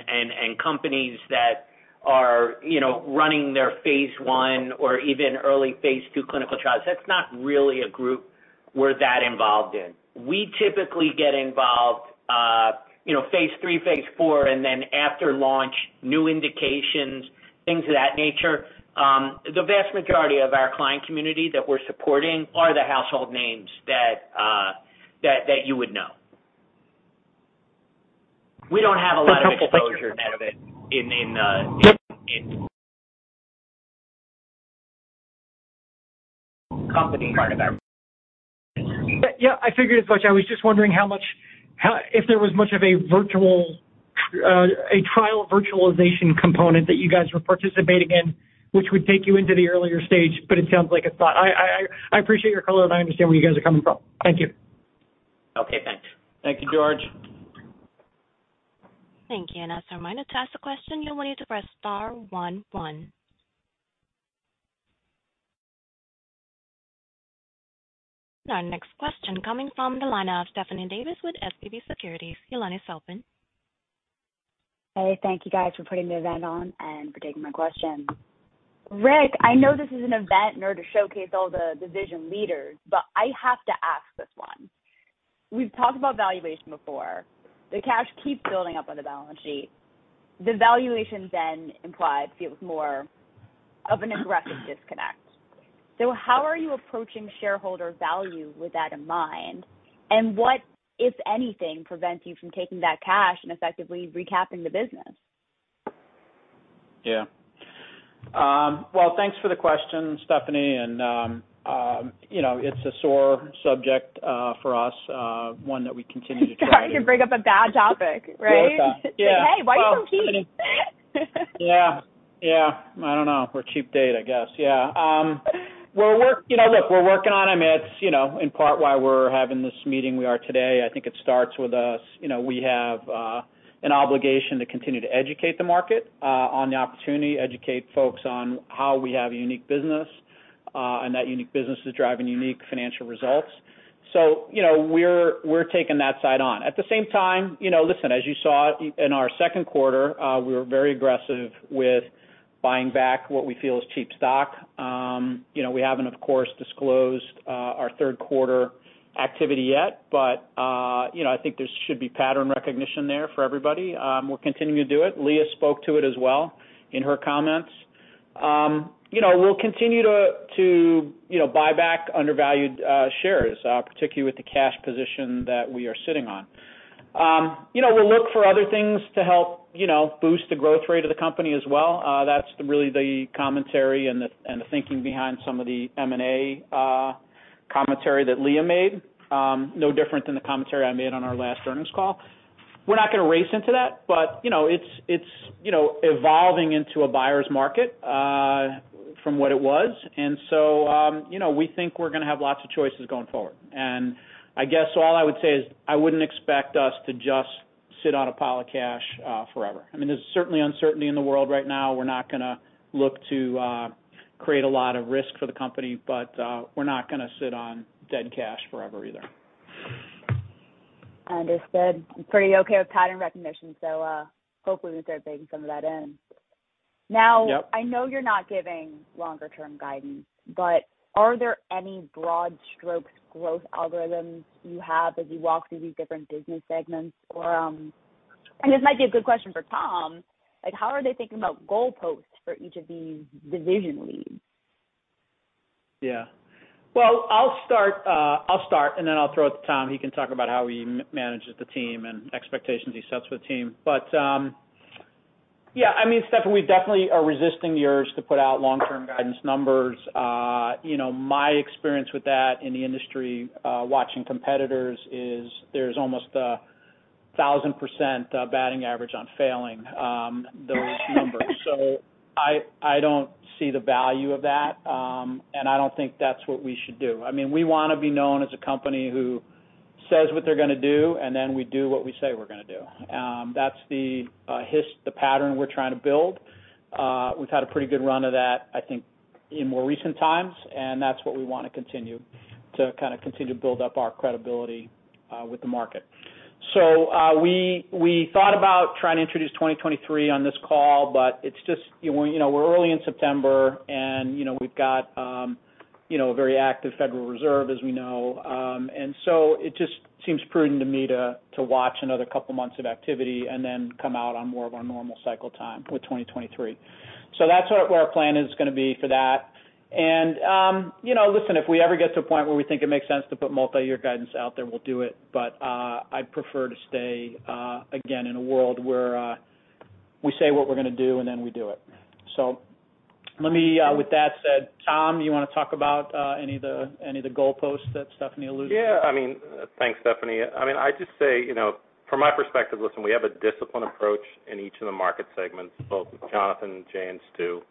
companies that are, you know, running their phase 1 or even early phase 2 clinical trials, that's not really a group we're that involved in. We typically get involved, you know, phase 3, phase 4, and then after launch, new indications, things of that nature. The vast majority of our client community that we're supporting are the household names that you would know. We don't have a lot of exposure. It sounds like. in company. Yeah, I figured as much. I was just wondering if there was much of a virtual trial virtualization component that you guys were participating in, which would take you into the earlier stage, but it sounds like it's not. I appreciate your color, and I understand where you guys are coming from. Thank you. Okay, thanks. Thank you, George. Thank you. As a reminder, to ask a question, you'll need to press star one one. Our next question coming from the line of Stephanie Davis with SVB Securities. Your line is open. Hey, thank you guys for putting the event on and for taking my question. Rick, I know this is an event in order to showcase all the division leaders, but I have to ask this one. We've talked about valuation before. The cash keeps building up on the balance sheet. The valuation then feels more of an aggressive disconnect. How are you approaching shareholder value with that in mind? What, if anything, prevents you from taking that cash and effectively recapping the business? Yeah. Well, thanks for the question, Stephanie. You know, it's a sore subject for us, one that we continue to try to. I could bring up a bad topic, right? Yeah. Like, hey, why are you so cheap? Yeah. Yeah. I don't know. We're a cheap date, I guess. Yeah. You know, look, we're working on them. It's, you know, in part why we're having this meeting today. I think it starts with us. You know, we have an obligation to continue to educate the market on the opportunity, educate folks on how we have a unique business, and that unique business is driving unique financial results. You know, we're taking that on. At the same time, you know, listen, as you saw in our second quarter, we were very aggressive with buying back what we feel is cheap stock. You know, we haven't, of course, disclosed our third quarter activity yet, but, you know, I think there should be pattern recognition there for everybody. We're continuing to do it. Leah spoke to it as well in her comments. You know, we'll continue to buy back undervalued shares, particularly with the cash position that we are sitting on. You know, we'll look for other things to help boost the growth rate of the company as well. That's really the commentary and the thinking behind some of the M&A commentary that Leah made. No different than the commentary I made on our last earnings call. We're not gonna race into that, but you know, it's evolving into a buyer's market from what it was. You know, we think we're gonna have lots of choices going forward. I guess all I would say is, I wouldn't expect us to just sit on a pile of cash forever. I mean, there's certainly uncertainty in the world right now. We're not gonna look to create a lot of risk for the company, but, we're not gonna sit on dead cash forever either. Understood. I'm pretty okay with pattern recognition, so, hopefully we start bringing some of that in. Yep. Now, I know you're not giving longer term guidance, but are there any broad strokes growth algorithms you have as you walk through these different business segments? This might be a good question for Tom. Like, how are they thinking about goalposts for each of these division leads? Yeah. Well, I'll start, and then I'll throw it to Tom. He can talk about how he manages the team and expectations he sets with the team. Yeah, I mean, Stephanie, we definitely are resisting the urge to put out long-term guidance numbers. You know, my experience with that in the industry, watching competitors is there's almost 1,000% batting average on failing those numbers. I don't see the value of that, and I don't think that's what we should do. I mean, we wanna be known as a company who says what they're gonna do, and then we do what we say we're gonna do. That's the pattern we're trying to build. We've had a pretty good run of that, I think, in more recent times, and that's what we wanna continue to kinda build up our credibility with the market. So, we thought about trying to introduce 2023 on this call, but it's just, you know, we're early in September, and, you know, we've got a very active Federal Reserve, as we know. It just seems prudent to me to watch another couple of months of activity and then come out on more of our normal cycle time with 2023. So that's where our plan is gonna be for that. You know, listen, if we ever get to a point where we think it makes sense to put multi-year guidance out there, we'll do it. I prefer to stay again in a world where we say what we're gonna do, and then we do it. Let me, with that said, Tom, you wanna talk about any of the goalposts that Stephanie alluded to? Yeah, I mean, thanks, Stephanie. I mean, I just say, you know, from my perspective, listen, we have a disciplined approach in each of the market segments, both with Jonathan, Jay, and Stu.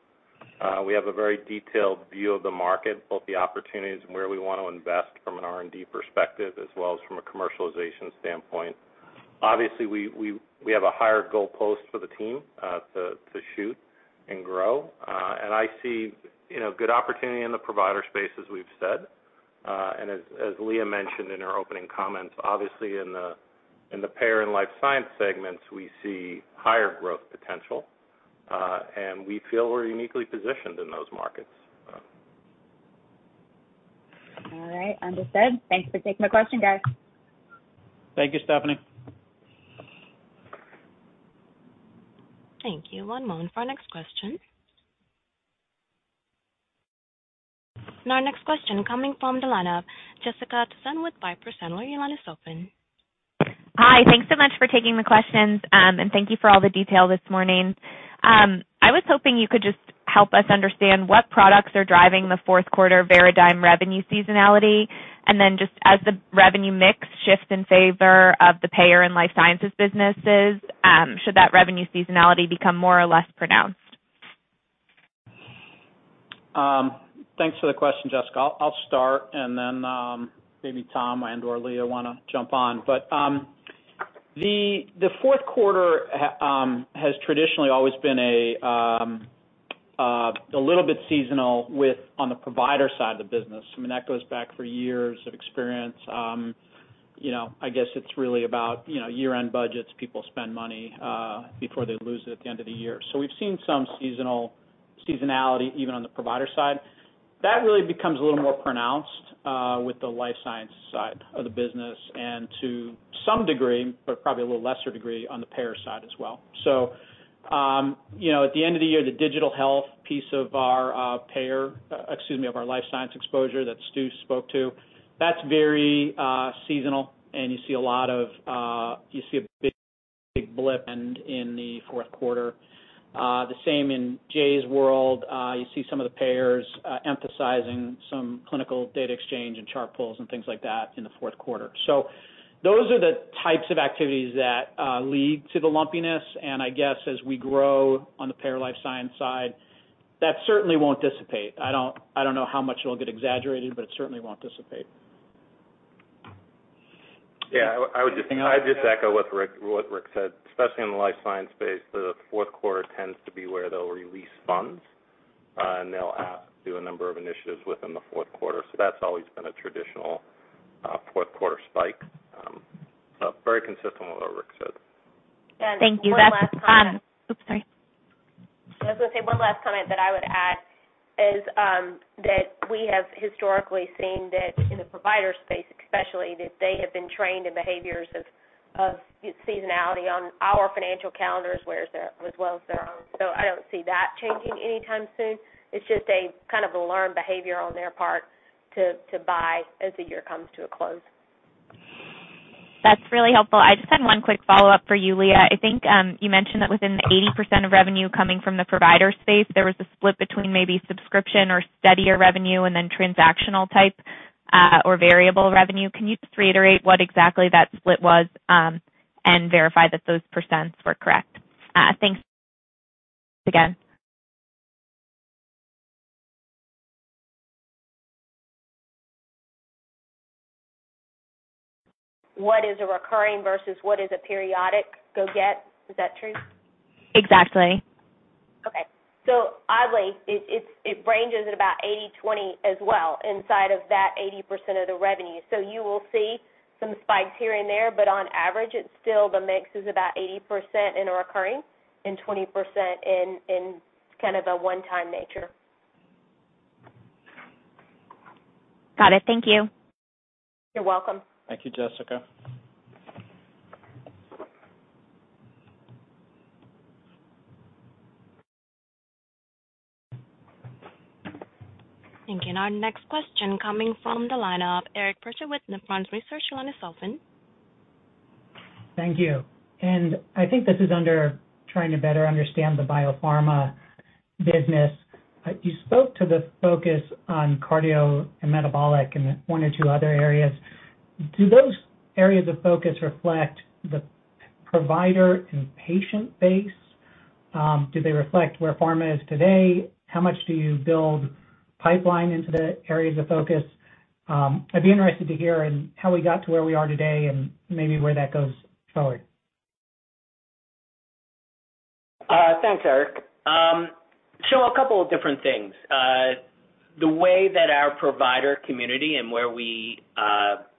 We have a very detailed view of the market, both the opportunities and where we want to invest from an R&D perspective as well as from a commercialization standpoint. Obviously, we have a higher goalpost for the team to shoot and grow. I see, you know, good opportunity in the provider space, as we've said. As Leah mentioned in her opening comments, obviously in the payer and life science segments, we see higher growth potential, and we feel we're uniquely positioned in those markets. All right. Understood. Thanks for taking my question, guys. Thank you, Stephanie. Thank you. One moment for our next question. Our next question coming from the line of Jessica Tassan with Piper Sandler. Your line is open. Hi. Thanks so much for taking the questions, and thank you for all the detail this morning. I was hoping you could just help us understand what products are driving the fourth quarter Veradigm revenue seasonality. Just as the revenue mix shifts in favor of the payer and life sciences businesses, should that revenue seasonality become more or less pronounced? Thanks for the question, Jessica. I'll start and then, maybe Tom and/or Leah wanna jump on. The fourth quarter has traditionally always been a little bit seasonal with on the provider side of the business. I mean, that goes back for years of experience. You know, I guess it's really about, you know, year-end budgets. People spend money before they lose it at the end of the year. We've seen some seasonality even on the provider side. That really becomes a little more pronounced with the life science side of the business and to some degree, but probably a little lesser degree, on the payer side as well. You know, at the end of the year, the digital health piece of our Life Science exposure that Stu spoke to, that's very seasonal, and you see a lot of You see a big blip in the fourth quarter. The same in Jay's world. You see some of the payers emphasizing some clinical data exchange and chart pulls and things like that in the fourth quarter. Those are the types of activities that lead to the lumpiness. I guess as we grow on the payer life science side, that certainly won't dissipate. I don't know how much it'll get exaggerated, but it certainly won't dissipate. Yeah, I'd just echo what Rick said. Especially in the life science space, the fourth quarter tends to be where they'll release funds, and they'll ask to do a number of initiatives within the fourth quarter. That's always been a traditional fourth quarter spike. Very consistent with what Rick said. Thank you. One last comment. Oops, sorry. I was gonna say one last comment that I would add is, that we have historically seen that in the provider space especially, that they have been trained in behaviors of seasonality on our financial calendars, whereas their, as well as their own. I don't see that changing anytime soon. It's just a kind of a learned behavior on their part to buy as the year comes to a close. That's really helpful. I just had one quick follow-up for you, Leah. I think you mentioned that within the 80% of revenue coming from the provider space, there was a split between maybe subscription or steadier revenue and then transactional type or variable revenue. Can you just reiterate what exactly that split was and verify that those percents were correct? Thanks again. What is a recurring versus what is a periodic go get, is that true? Exactly. Okay. Oddly, it ranges at about 80/20 as well inside of that 80% of the revenue. You will see some spikes here and there, but on average, it's still the mix is about 80% in recurring and 20% in kind of a one-time nature. Got it. Thank you. You're welcome. Thank you, Jessica. Thank you. Our next question coming from the line of Eric Percher with Nephron Research. Your line is open. Thank you. I think this is under trying to better understand the biopharma business. You spoke to the focus on cardio and metabolic and one or two other areas. Do those areas of focus reflect the provider and patient base? Do they reflect where pharma is today? How much do you build pipeline into the areas of focus? I'd be interested to hear in how we got to where we are today and maybe where that goes forward. Thanks, Eric. A couple of different things. The way that our provider community and where we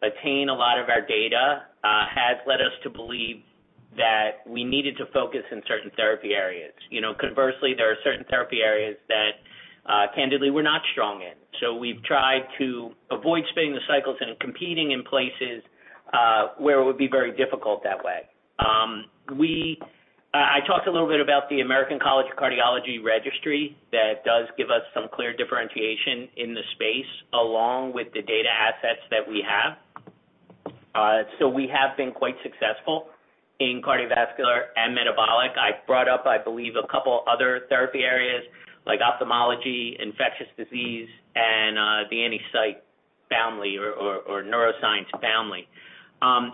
attain a lot of our data has led us to believe that we needed to focus in certain therapy areas. You know, conversely, there are certain therapy areas that candidly we're not strong in. We've tried to avoid spinning the cycles and competing in places where it would be very difficult that way. I talked a little bit about the American College of Cardiology Registry. That does give us some clear differentiation in the space, along with the data assets that we have. We have been quite successful in cardiovascular and metabolic. I brought up, I believe, a couple other therapy areas like ophthalmology, infectious disease and the anti-psych family or neuroscience family.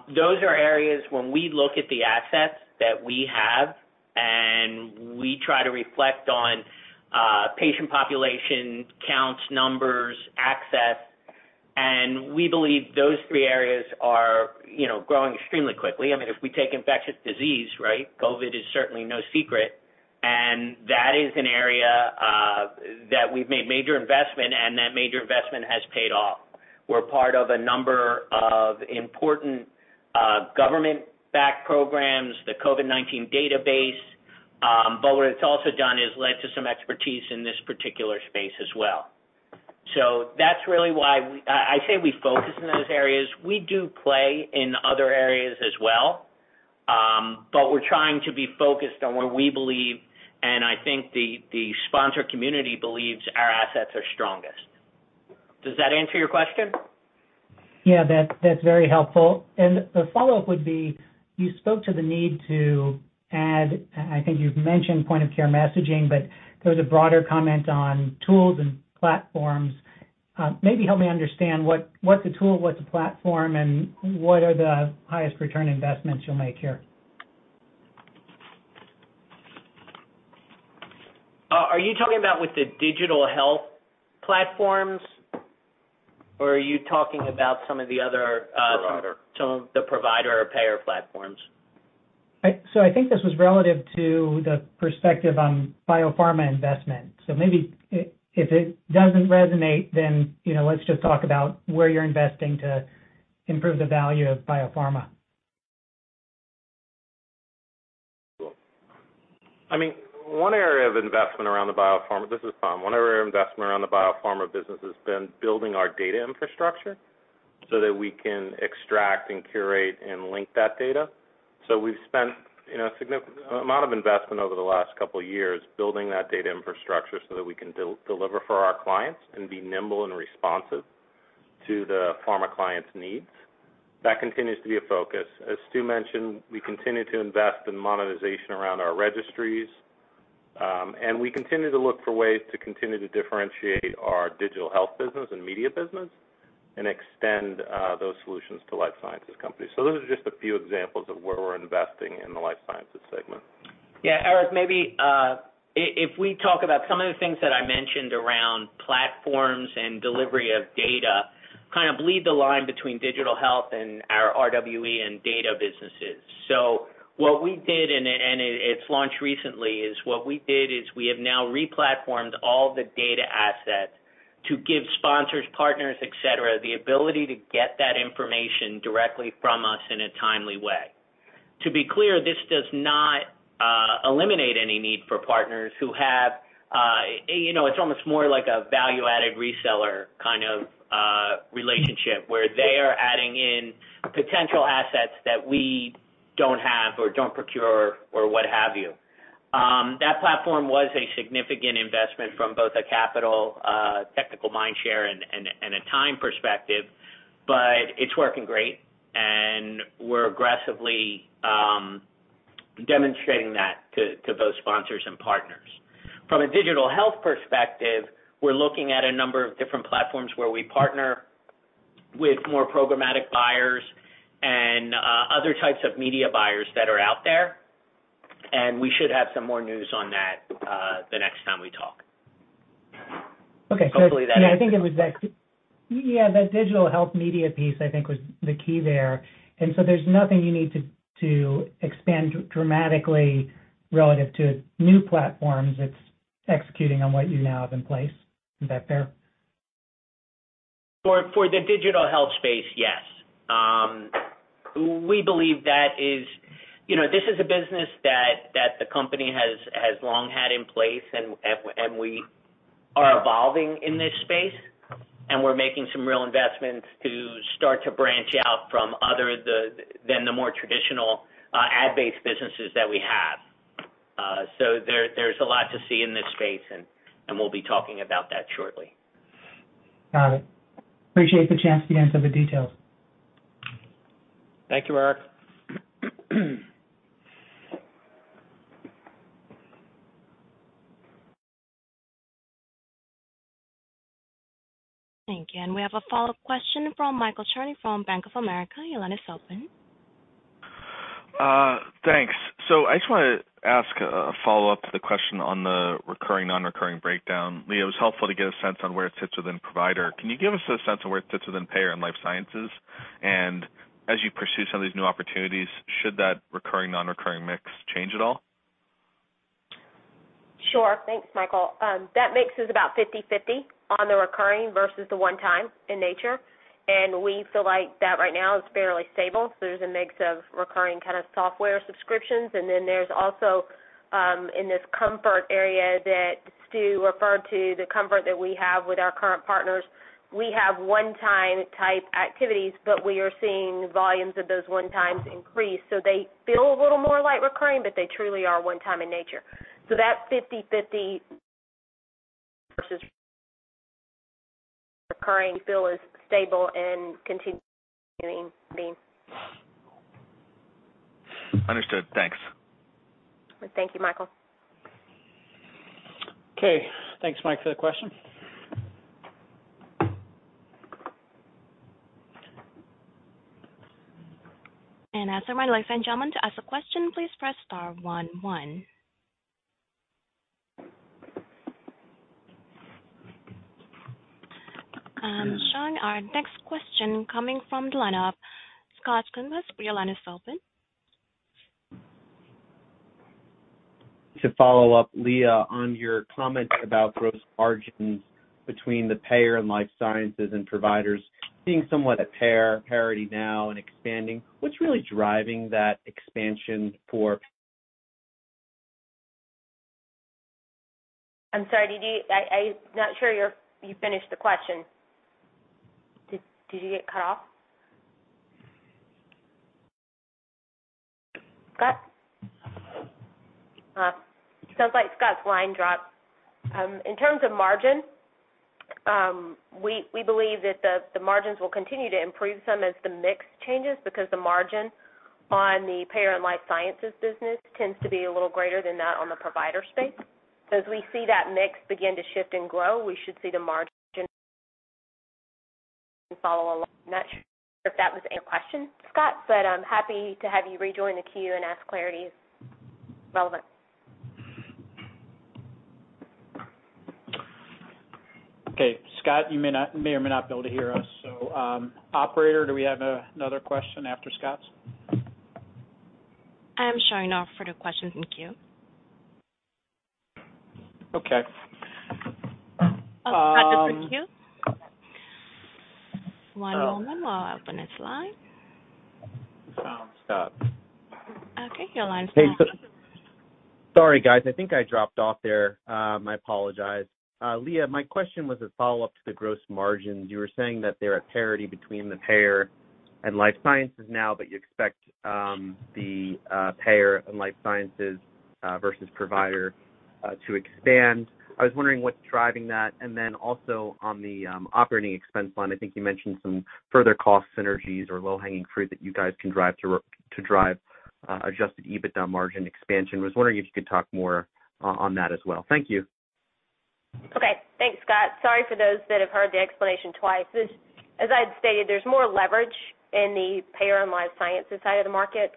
Those are areas when we look at the assets that we have and we try to reflect on patient population counts, numbers, access, and we believe those three areas are, you know, growing extremely quickly. I mean, if we take infectious disease, right, COVID is certainly no secret. That is an area that we've made major investment and that major investment has paid off. We're part of a number of important government-backed programs, the COVID-19 database. What it's also done is led to some expertise in this particular space as well. That's really why I say we focus in those areas. We do play in other areas as well. We're trying to be focused on where we believe, and I think the sponsor community believes our assets are strongest. Does that answer your question? Yeah, that's very helpful. The follow-up would be, you spoke to the need to add, I think you've mentioned point of care messaging, but there's a broader comment on tools and platforms. Maybe help me understand what's a tool, what's a platform, and what are the highest return investments you'll make here? Are you talking about with the digital health platforms or are you talking about some of the other? The broader. Some of the provider or payer platforms? I think this was relative to the perspective on biopharma investment. Maybe if it doesn't resonate, then, you know, let's just talk about where you're investing to improve the value of biopharma. One area of investment around the biopharma business has been building our data infrastructure so that we can extract and curate and link that data. We've spent, you know, a significant amount of investment over the last couple of years building that data infrastructure so that we can deliver for our clients and be nimble and responsive to the pharma clients' needs. That continues to be a focus. As Stu mentioned, we continue to invest in monetization around our registries, and we continue to look for ways to continue to differentiate our digital health business and media business and extend those solutions to life sciences companies. Those are just a few examples of where we're investing in the life sciences segment. Yeah, Eric, maybe if we talk about some of the things that I mentioned around platforms and delivery of data, kind of blur the line between digital health and our RWE and data businesses. What we did, and it launched recently, is we have now re-platformed all the data assets to give sponsors, partners, et cetera, the ability to get that information directly from us in a timely way. To be clear, this does not eliminate any need for partners who have, you know, it's almost more like a value-added reseller kind of relationship where they are adding in potential assets that we don't have or don't procure or what have you. That platform was a significant investment from both a capital, technical mindshare and a time perspective, but it's working great, and we're aggressively demonstrating that to those sponsors and partners. From a digital health perspective, we're looking at a number of different platforms where we partner with more programmatic buyers and other types of media buyers that are out there, and we should have some more news on that the next time we talk. Okay. Hopefully that answers. Yeah, the digital health media piece, I think, was the key there. There's nothing you need to expand dramatically relative to new platforms. It's executing on what you now have in place. Is that fair? For the digital health space, yes. We believe that is. You know, this is a business that the company has long had in place, and we are evolving in this space, and we're making some real investments to start to branch out from other than the more traditional ad-based businesses that we have. So there's a lot to see in this space and we'll be talking about that shortly. Got it. Appreciate the chance to get into the details. Thank you, Eric. Thank you. We have a follow-up question from Michael Cherny from Bank of America. Your line is open. Thanks. I just wanna ask a follow-up to the question on the recurring, non-recurring breakdown. Leah, it was helpful to get a sense on where it sits within Provider. Can you give us a sense of where it sits within Payer and Life Sciences? As you pursue some of these new opportunities, should that recurring, non-recurring mix change at all? Sure. Thanks, Michael. That mix is about 50/50 on the recurring versus the one time in nature. We feel like that right now is fairly stable. There's a mix of recurring kind of software subscriptions, and then there's also in this comfort area that Stu referred to, the comfort that we have with our current partners. We have one time type activities, but we are seeing volumes of those one times increase, so they feel a little more like recurring, but they truly are one time in nature. That 50/50 versus recurring feel is stable and continuing to be. Understood. Thanks. Thank you, Michael. Okay. Thanks, Mike, for the question. As a reminder, ladies and gentlemen, to ask a question, please press star one one. I'm showing our next question coming from the lineup. Scott Schoenhaus, your line is open. To follow up, Leah, on your comment about gross margins between the payer and life sciences and providers being somewhat at parity now and expanding, what's really driving that expansion for? I'm sorry. I'm not sure you finished the question. Did you get cut off? Scott? Sounds like Scott's line dropped. In terms of margin, we believe that the margins will continue to improve some as the mix changes because the margin on the payer and life sciences business tends to be a little greater than that on the provider space. As we see that mix begin to shift and grow, we should see the margin follow along. Not sure if that was in your question, Scott, but I'm happy to have you rejoin the queue and ask for clarity if relevant. Okay. Scott, you may or may not be able to hear us. Operator, do we have another question after Scott's? I'm showing no further questions in queue. Okay. Oh, question in queue. One moment while I open his line. Sound stopped. Okay, your line's open. Sorry, guys. I think I dropped off there. I apologize. Leah, my question was a follow-up to the gross margins. You were saying that they're at parity between the payer and life sciences now, but you expect the payer and life sciences versus provider to expand. I was wondering what's driving that. Also on the operating expense line, I think you mentioned some further cost synergies or low-hanging fruit that you guys can drive to drive adjusted EBITDA margin expansion. Was wondering if you could talk more on that as well. Thank you. Okay. Thanks, Scott. Sorry for those that have heard the explanation twice. As I'd stated, there's more leverage in the payer and life sciences side of the market.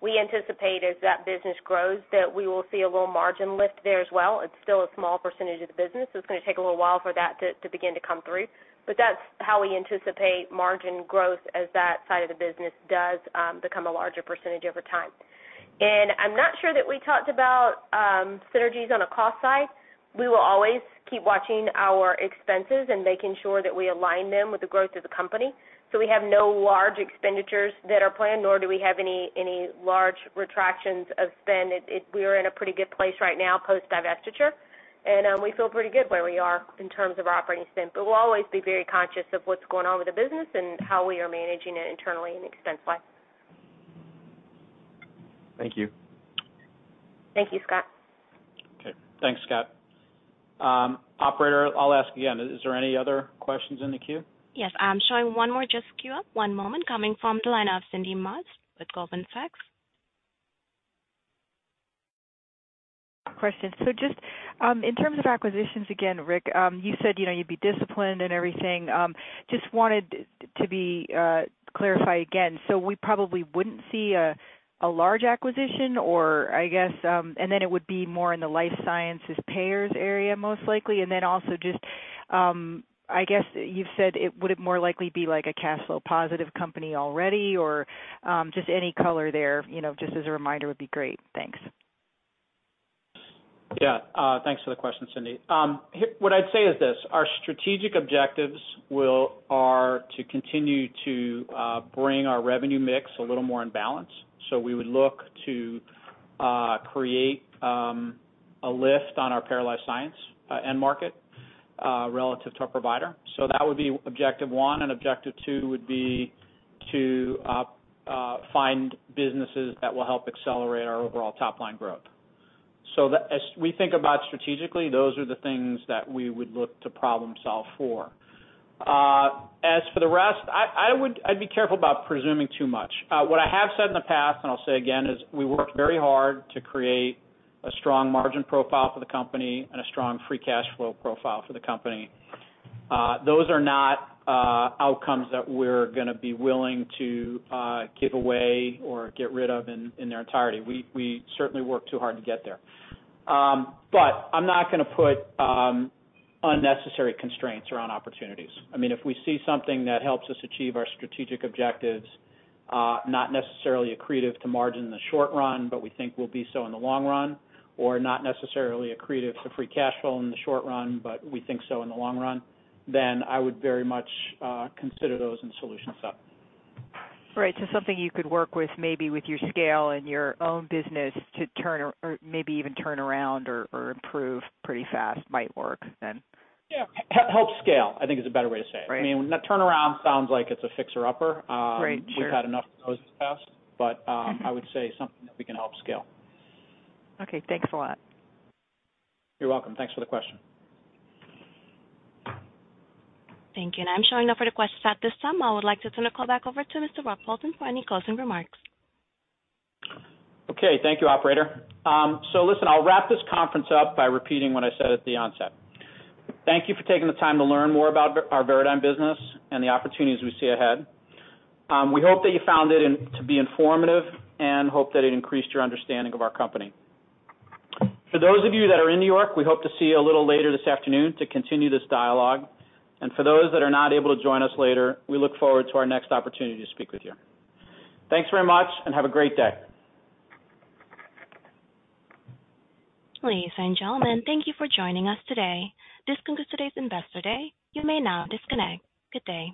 We anticipate, as that business grows, that we will see a little margin lift there as well. It's still a small percentage of the business, so it's gonna take a little while for that to begin to come through. That's how we anticipate margin growth as that side of the business does become a larger percentage over time. I'm not sure that we talked about synergies on a cost side. We will always keep watching our expenses and making sure that we align them with the growth of the company. We have no large expenditures that are planned, nor do we have any large retractions of spend. We are in a pretty good place right now post divestiture, and we feel pretty good where we are in terms of our operating spend. We'll always be very conscious of what's going on with the business and how we are managing it internally and expense-wise. Thank you. Thank you, Scott. Okay. Thanks, Scott. Operator, I'll ask again. Is there any other questions in the queue? Yes, I'm showing one more just queued up. One moment, coming from the line of Cindy Motz with Goldman Sachs. Just in terms of acquisitions, again, Rick, you said, you know, you'd be disciplined and everything. Just wanted to clarify again. We probably wouldn't see a large acquisition or I guess and then it would be more in the life sciences payers area, most likely. Then also just, I guess you've said it would more likely be like a cash flow positive company already or just any color there, you know, just as a reminder would be great. Thanks. Yeah. Thanks for the question, Cindy. Here, what I'd say is this: Our strategic objectives are to continue to bring our revenue mix a little more in balance. We would look to create a lift on our payer life science end market relative to our provider. That would be objective one, and objective two would be to find businesses that will help accelerate our overall top line growth. As we think about strategically, those are the things that we would look to problem solve for. As for the rest, I'd be careful about presuming too much. What I have said in the past, and I'll say again, is we worked very hard to create a strong margin profile for the company and a strong free cash flow profile for the company. Those are not outcomes that we're gonna be willing to give away or get rid of in their entirety. We certainly worked too hard to get there. I'm not gonna put unnecessary constraints around opportunities. I mean, if we see something that helps us achieve our strategic objectives, not necessarily accretive to margin in the short run, but we think will be so in the long run, or not necessarily accretive to free cash flow in the short run, but we think so in the long run, then I would very much consider those in solution set. Right. Something you could work with maybe with your scale and your own business to turn or maybe even turn around or improve pretty fast might work then. Yeah. Help scale, I think, is a better way to say it. Right. I mean, turnaround sounds like it's a fixer-upper. Right. Sure. We've had enough of those in the past. I would say something that we can help scale. Okay, thanks a lot. You're welcome. Thanks for the question. Thank you. I'm showing no further questions at this time. I would like to turn the call back over to Mr. Poulton for any closing remarks. Okay. Thank you, operator. Listen, I'll wrap this conference up by repeating what I said at the onset. Thank you for taking the time to learn more about our Veradigm business and the opportunities we see ahead. We hope that you found it informative and hope that it increased your understanding of our company. For those of you that are in New York, we hope to see you a little later this afternoon to continue this dialogue. For those that are not able to join us later, we look forward to our next opportunity to speak with you. Thanks very much and have a great day. Ladies and gentlemen, thank you for joining us today. This concludes today's Investor Day. You may now disconnect. Good day.